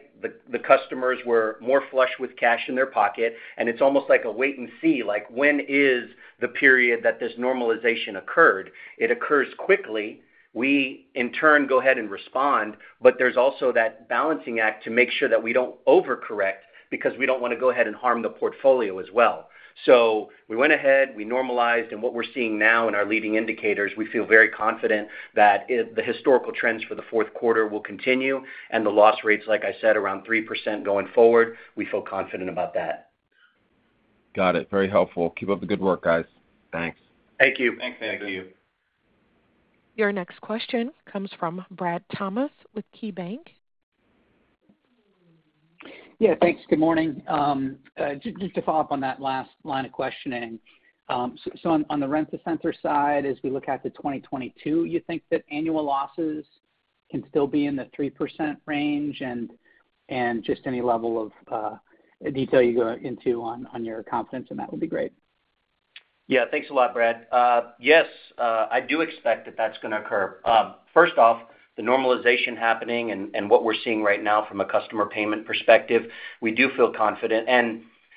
[SPEAKER 5] the customers were more flush with cash in their pocket, and it's almost like a wait and see, like, when is the period that this normalization occurred? It occurs quickly. We, in turn, go ahead and respond, but there's also that balancing act to make sure that we don't overcorrect because we don't wanna go ahead and harm the portfolio as well. We went ahead, we normalized, and what we're seeing now in our leading indicators, we feel very confident that it, the historical trends for the Q4 will continue and the loss rates, like I said, around 3% going forward. We feel confident about that.
[SPEAKER 11] Got it. Very helpful. Keep up the good work, guys.
[SPEAKER 4] Thanks.
[SPEAKER 5] Thank you.
[SPEAKER 4] Thanks. Thank you.
[SPEAKER 1] Your next question comes from Brad Thomas with KeyBanc Capital Markets.
[SPEAKER 12] Yeah, thanks. Good morning. Just to follow up on that last line of questioning. So on the Rent-A-Center's side, as we look out to 2022, you think that annual losses can still be in the 3% range? Just any level of detail you go into on your confidence in that would be great.
[SPEAKER 5] Yeah. Thanks a lot, Brad. Yes, I do expect that that's gonna occur. 1st off, the normalization happening and what we're seeing right now from a customer payment perspective, we do feel confident.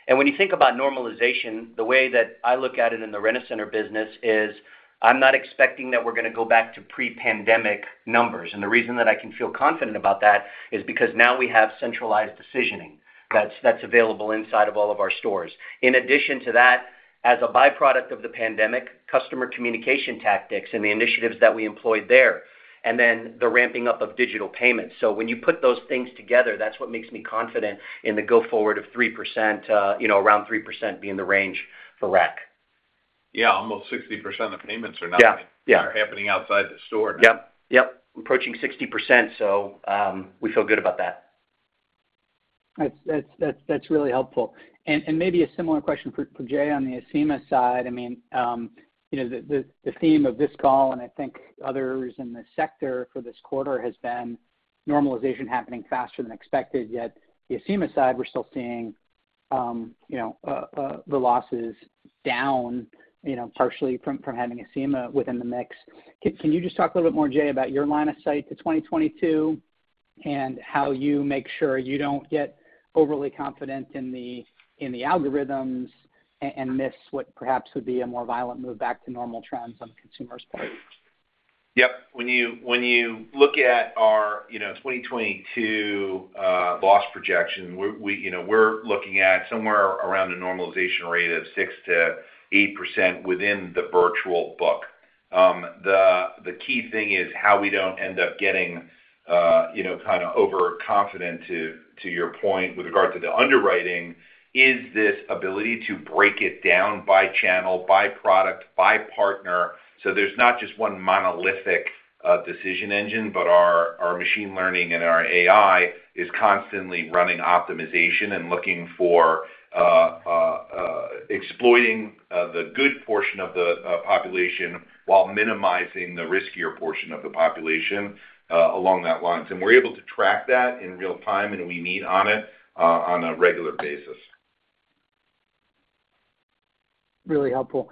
[SPEAKER 5] When you think about normalization, the way that I look at it in the Rent-A-Center business is I'm not expecting that we're gonna go back to pre-pandemic numbers. The reason that I can feel confident about that is because now we have centralized decisioning that's available inside of all of our stores. In addition to that, as a by-product of the pandemic, customer communication tactics and the initiatives that we employed there, and then the ramping up of digital payments. When you put those things together, that's what makes me confident in the go forward of 3%, you know, around 3% being the range for RAC.
[SPEAKER 4] Yeah. Almost 60% of payments are now.
[SPEAKER 5] Yeah. Yeah
[SPEAKER 4] are happening outside the store now.
[SPEAKER 5] Yep. Approaching 60%, so, we feel good about that.
[SPEAKER 12] That's really helpful. Maybe a similar question for Jay on the Acima side. I mean, you know, the theme of this call, and I think others in the sector for this quarter, has been normalization happening faster than expected. Yet the Acima side, we're still seeing the losses down, you know, partially from having Acima within the mix. Can you just talk a little bit more, Jay, about your line of sight to 2022 and how you make sure you don't get overly confident in the algorithms and miss what perhaps would be a more violent move back to normal trends on consumers' part?
[SPEAKER 4] Yep. When you look at our 2022 loss projection, we're looking at somewhere around a normalization rate of 6%-8% within the virtual book. The key thing is how we don't end up getting, you know, kind of overconfident, to your point, with regard to the underwriting, is this ability to break it down by channel, by product, by partner. So there's not just one monolithic decision engine, but our machine learning and our AI is constantly running optimization and looking for exploiting the good portion of the population while minimizing the riskier portion of the population along those lines. We're able to track that in real time, and we meet on it on a regular basis.
[SPEAKER 12] Really helpful.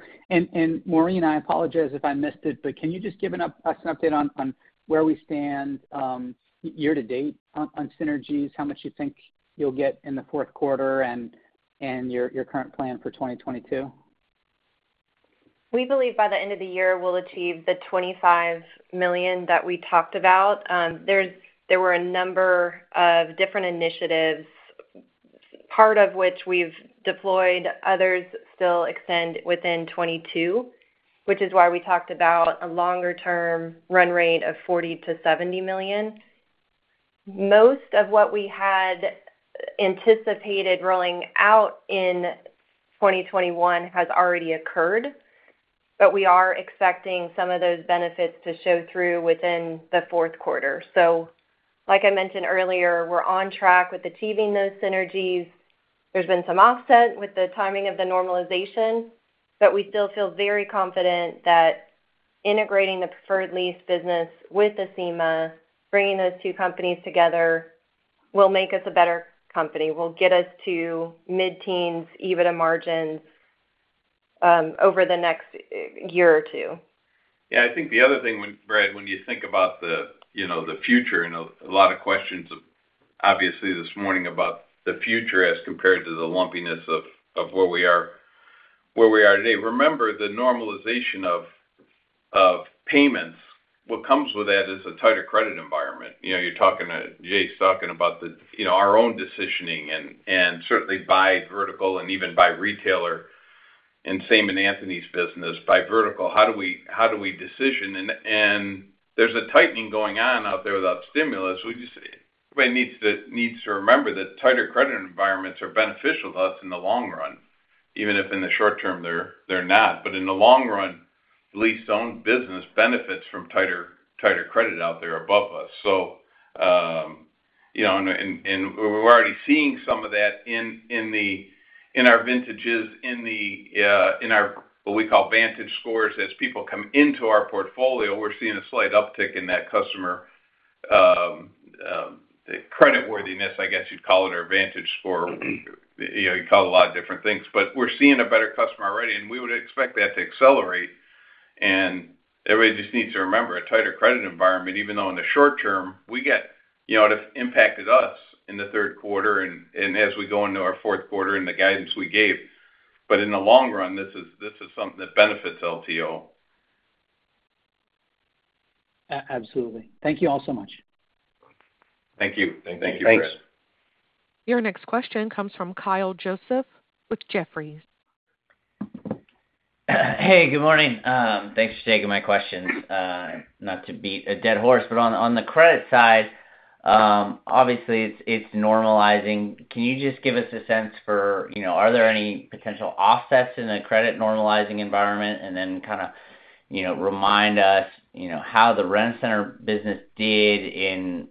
[SPEAKER 12] Maureen, I apologize if I missed it, but can you just give us an update on where we stand year to date on synergies, how much you think you'll get in the Q4 and your current plan for 2022?
[SPEAKER 6] We believe by the end of the year, we'll achieve the $25 million that we talked about. There were a number of different initiatives, part of which we've deployed, others still extend within 2022, which is why we talked about a longer-term run rate of $40 million-$70 million. Most of what we had anticipated rolling out in 2021 has already occurred, but we are expecting some of those benefits to show through within the Q4. Like I mentioned earlier, we're on track with achieving those synergies. There's been some offset with the timing of the normalization, but we still feel very confident that integrating the Preferred Lease business with Acima, bringing those two companies together will make us a better company, will get us to mid-teens EBITDA margins over the next year or two.
[SPEAKER 3] Yeah. I think the other thing, Brad, when you think about the, you know, the future and a lot of questions obviously this morning about the future as compared to the lumpiness of where we are today. Remember the normalization of payments, what comes with that is a tighter credit environment. You know, you're talking to Jay's talking about the, you know, our own decisioning and certainly by vertical and even by retailer, and same in Anthony's business by vertical, how do we decision? And there's a tightening going on out there without stimulus. Everybody needs to remember that tighter credit environments are beneficial to us in the long run, even if in the short term they're not. In the long run, lease-to-own business benefits from tighter credit out there above us. You know, and we're already seeing some of that in our vintages, in our what we call VantageScores. As people come into our portfolio, we're seeing a slight uptick in that customer credit worthiness, I guess you'd call it, or VantageScore. You know, you call it a lot of different things. We're seeing a better customer already, and we would expect that to accelerate. Everybody just needs to remember a tighter credit environment, even though in the short term we get you know, it impacted us in the Q3 and as we go into our Q4 and the guidance we gave, but in the long run, this is something that benefits LTO.
[SPEAKER 5] Absolutely. Thank you all so much.
[SPEAKER 3] Thank you. Thank you, Chris.
[SPEAKER 6] Thanks.
[SPEAKER 1] Your next question comes from Kyle Joseph with Jefferies.
[SPEAKER 13] Hey, good morning. Thanks for taking my questions. Not to beat a dead horse, but on the credit side, obviously it's normalizing. Can you just give us a sense for, you know, are there any potential offsets in the credit normalizing environment? Kind of, you know, remind us, you know, how the Rent-A-Center business did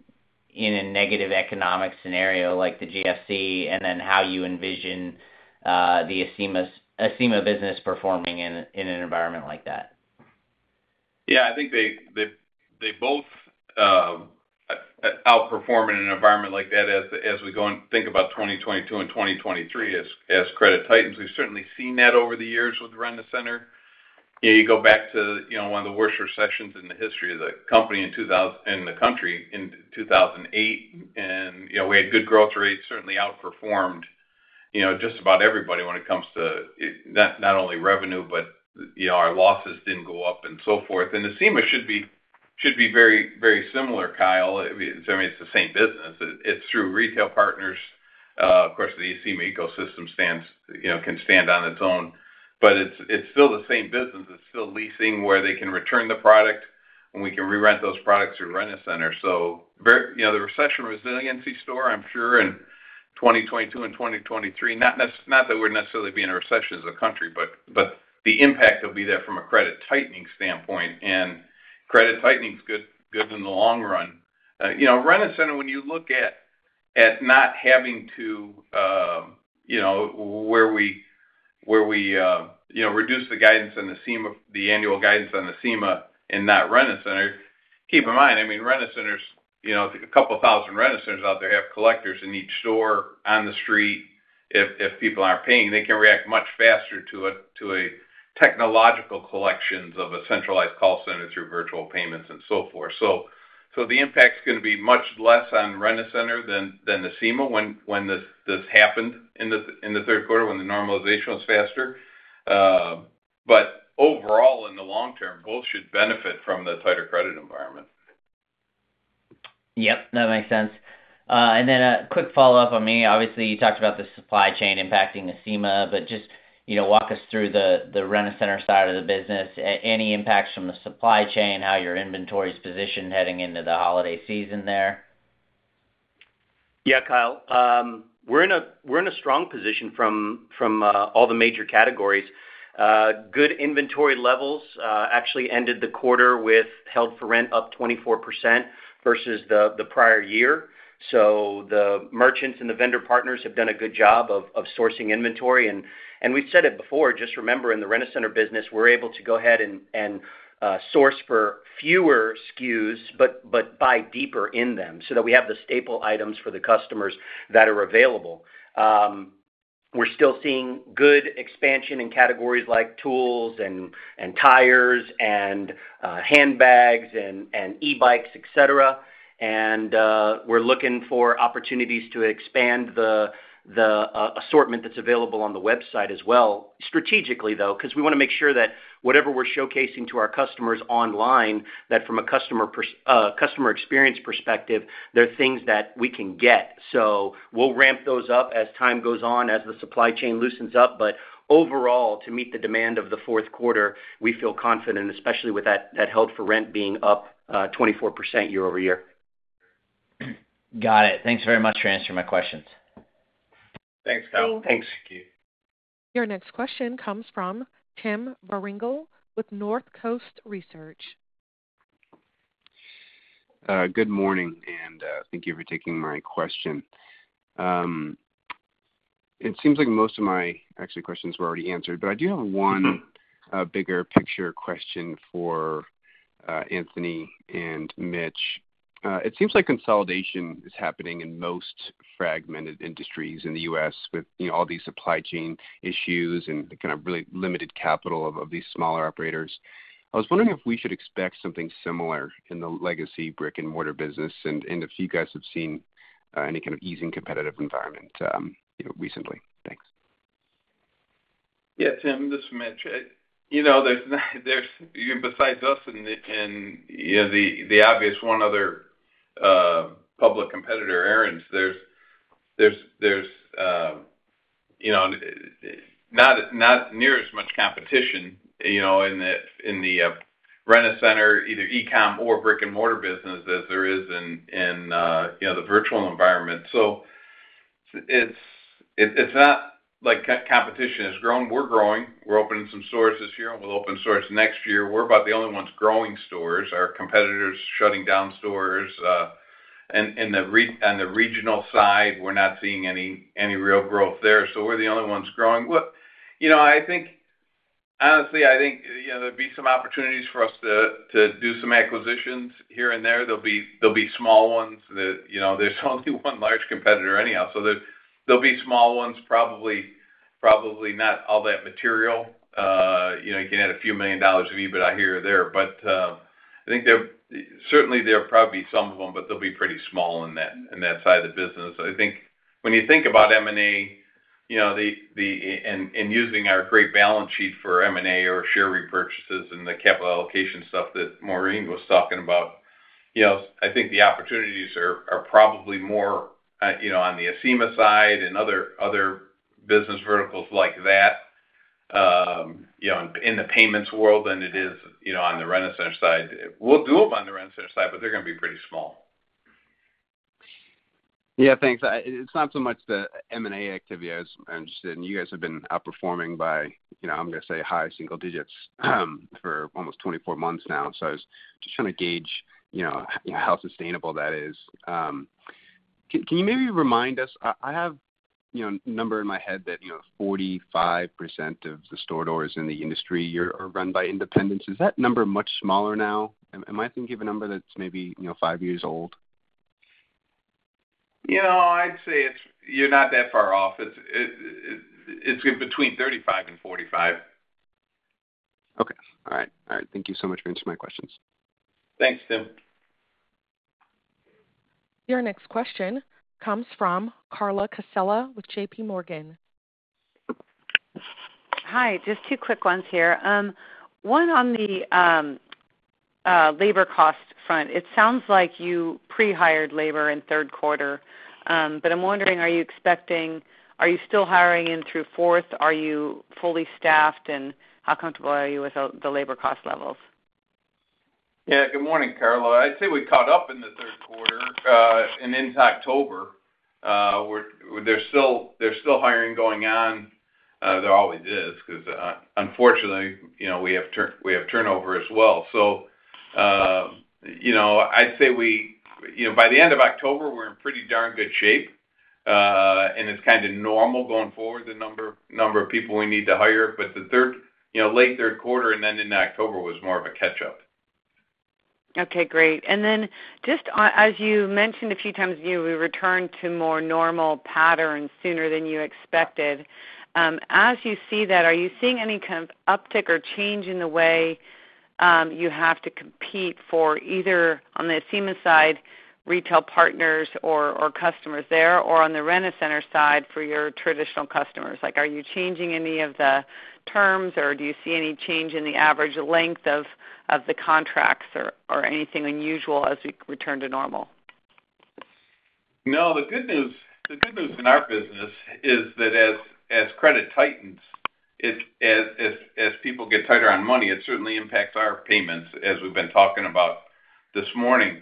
[SPEAKER 13] in a negative economic scenario like the GFC and then how you envision the Acima business performing in an environment like that.
[SPEAKER 3] Yeah. I think they both outperforming in an environment like that as we go and think about 2022 and 2023 as credit tightens. We've certainly seen that over the years with Rent-A-Center. You know, you go back to, you know, one of the worst recessions in the history of the company in the country in 2008. You know, we had good growth rates, certainly outperformed, you know, just about everybody when it comes to not only revenue, but, you know, our losses didn't go up and so forth. Acima should be very, very similar, Kyle. I mean, it's the same business. It's through retail partners. Of course, the Acima ecosystem stands, you know, can stand on its own, but it's still the same business. It's still leasing where they can return the product, and we can re-rent those products through Rent-A-Center. You know, the recession resiliency story, I'm sure in 2022 and 2023, not that we're necessarily being in a recession as a country, but the impact will be there from a credit tightening standpoint. Credit tightening is good in the long run. You know, Rent-A-Center, when you look at not having to, you know, where we reduce the guidance on Acima, the annual guidance on Acima and not Rent-A-Center, keep in mind, I mean, Rent-A-Center's, you know, a couple thousand Rent-A-Centers out there have collectors in each store on the street. If people aren't paying, they can react much faster to a technological collections of a centralized call center through virtual payments and so forth. The impact is gonna be much less on Rent-A-Center than Acima when this happened in the Q3 when the normalization was faster. Overall, in the long term, both should benefit from the tighter credit environment.
[SPEAKER 13] Yep, that makes sense. A quick follow-up on me, obviously, you talked about the supply chain impacting Acima, but just, you know, walk us through the Rent-A-Center side of the business. Any impacts from the supply chain, how your inventory is positioned heading into the holiday season there?
[SPEAKER 5] Yeah, Kyle. We're in a strong position from all the major categories. Good inventory levels, actually ended the quarter with held for rent up 24% versus the prior year. The merchants and the vendor partners have done a good job of sourcing inventory. We've said it before, just remember, in the Rent-A-Center business, we're able to go ahead and source for fewer SKUs, but buy deeper in them so that we have the staple items for the customers that are available. We're still seeing good expansion in categories like tools and tires and handbags and e-bikes, et cetera. We're looking for opportunities to expand the assortment that's available on the website as well. Strategically, though, 'cause we wanna make sure that whatever we're showcasing to our customers online, that from a customer experience perspective, they're things that we can get. So we'll ramp those up as time goes on, as the supply chain loosens up. Overall, to meet the demand of the Q4, we feel confident, especially with that held for rent being up 24% year-over-year.
[SPEAKER 13] Got it. Thanks very much for answering my questions.
[SPEAKER 3] Thanks, Kyle. Thanks.
[SPEAKER 1] Your next question comes from Tim Beringhele with Northcoast Research.
[SPEAKER 14] Good morning, and thank you for taking my question. It seems like most of my actually questions were already answered, but I do have one bigger picture question for Anthony and Mitch. It seems like consolidation is happening in most fragmented industries in the US with, you know, all these supply chain issues and the kind of really limited capital of these smaller operators. I was wondering if we should expect something similar in the legacy brick-and-mortar business and if you guys have seen any kind of easing competitive environment, you know, recently. Thanks.
[SPEAKER 3] Yeah, Tim, this is Mitch. You know, besides us and you know the obvious one other public competitor, Aaron's, there's you know not near as much competition you know in the Rent-A-Center, either e-commerce or brick-and-mortar business as there is in you know the virtual environment. So it's not like competition has grown. We're growing. We're opening some stores this year, and we'll open stores next year. We're about the only ones growing stores. Our competitors are shutting down stores and on the regional side, we're not seeing any real growth there. So we're the only ones growing. You know, honestly, I think you know there'd be some opportunities for us to do some acquisitions here and there. There'll be small ones that, you know, there's only one large competitor anyhow, so there'll be small ones, probably not all that material. You know, you can add a few million dollars of EBITDA here or there, but I think certainly there are probably some of them, but they'll be pretty small on that, in that side of the business. I think when you think about M&A, you know, using our great balance sheet for M&A or share repurchases and the capital allocation stuff that Maureen was talking about, you know, I think the opportunities are probably more, you know, on the Acima side and other business verticals like that, you know, in the payments world than it is, you know, on the Rent-A-Center side. We'll do them on the Rent-A-Center side, but they're gonna be pretty small.
[SPEAKER 14] Yeah, thanks. It's not so much the M&A activity I was interested in. You guys have been outperforming by, you know, I'm gonna say high single digits, for almost 24 months now. I was just trying to gauge, you know, how sustainable that is. Can you maybe remind us? I have, you know, a number in my head that, you know, 45% of the store doors in the industry are run by independents. Is that number much smaller now? Am I thinking of a number that's maybe, you know, five years old?
[SPEAKER 3] You know, I'd say it's. You're not that far off. It's between 35 and 45.
[SPEAKER 14] Okay. All right. Thank you so much for answering my questions.
[SPEAKER 3] Thanks, Tim.
[SPEAKER 1] Your next question comes from Carla Casella with JP Morgan.
[SPEAKER 15] Hi. Just two quick ones here. One on the labor cost front. It sounds like you pre-hired labor in Q3, but I'm wondering, are you still hiring in through fourth? Are you fully staffed, and how comfortable are you with the labor cost levels?
[SPEAKER 3] Yeah. Good morning, Carla. I'd say we caught up in the Q3 and into October. There's still hiring going on. There always is 'cause, unfortunately, you know, we have turnover as well. You know, I'd say we, you know, by the end of October, we're in pretty darn good shape and it's kinda normal going forward, the number of people we need to hire. The late Q3 and then into October was more of a catch-up.
[SPEAKER 15] Okay, great. Just as you mentioned a few times, you returned to more normal patterns sooner than you expected. As you see that, are you seeing any kind of uptick or change in the way you have to compete for either on the Acima side, retail partners or customers there, or on the Rent-A-Center side for your traditional customers? Like, are you changing any of the terms, or do you see any change in the average length of the contracts or anything unusual as you return to normal?
[SPEAKER 3] No, the good news in our business is that as credit tightens, it impacts our payments as we've been talking about this morning.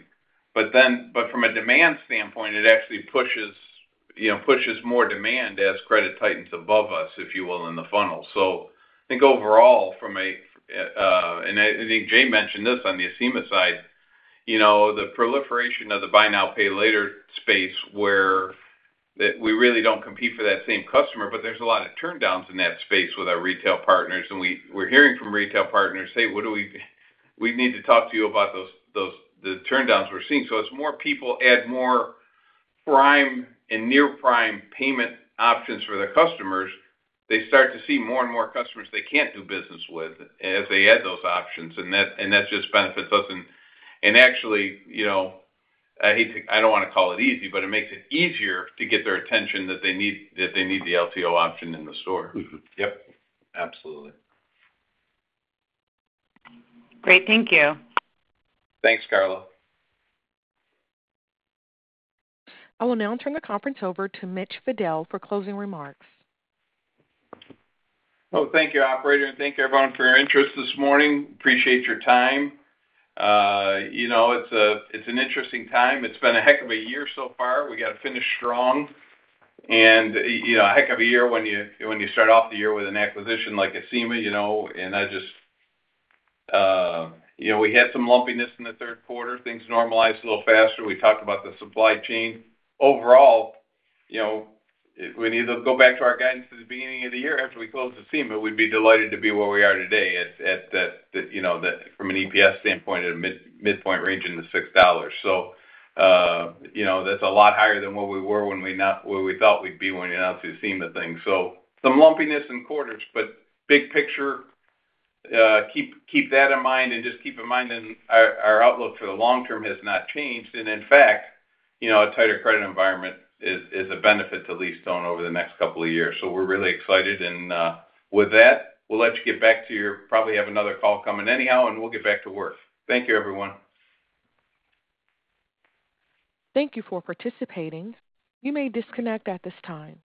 [SPEAKER 3] From a demand standpoint, it actually pushes more demand as credit tightens above us, if you will, in the funnel. I think overall, Jay mentioned this on the Acima side, the proliferation of the buy now, pay later space where we really don't compete for that same customer, but there's a lot of turndowns in that space with our retail partners, and we're hearing from retail partners say, What do we do? We need to talk to you about those, the turndowns we're seeing. As more people add more prime and near prime payment options for their customers, they start to see more and more customers they can't do business with as they add those options, and that just benefits us. Actually, you know, I hate to, I don't wanna call it easy, but it makes it easier to get their attention that they need the LTO option in the store. Yep, absolutely.
[SPEAKER 15] Great. Thank you.
[SPEAKER 3] Thanks, Carla.
[SPEAKER 1] I will now turn the conference over to Mitch Fadel for closing remarks.
[SPEAKER 3] Well, thank you, operator, and thank you everyone for your interest this morning. Appreciate your time. You know, it's an interesting time. It's been a heck of a year so far. We gotta finish strong. You know, a heck of a year when you start off the year with an acquisition like Acima, you know, and I just. You know, we had some lumpiness in the Q3. Things normalized a little faster. We talked about the supply chain. Overall, you know, if we need to go back to our guidance at the beginning of the year after we closed Acima, we'd be delighted to be where we are today at the, you know, the from an EPS standpoint at a mid-point range in the $6. You know, that's a lot higher than where we thought we'd be when we announced the Acima thing. Some lumpiness in quarters, but big picture, keep that in mind and just keep in mind that our outlook for the long term has not changed. In fact, you know, a tighter credit environment is a benefit to lease-to-own over the next couple of years. We're really excited. With that, we'll let you get back to your. Probably have another call coming anyhow, and we'll get back to work. Thank you, everyone.
[SPEAKER 1] Thank you for participating. You may disconnect at this time.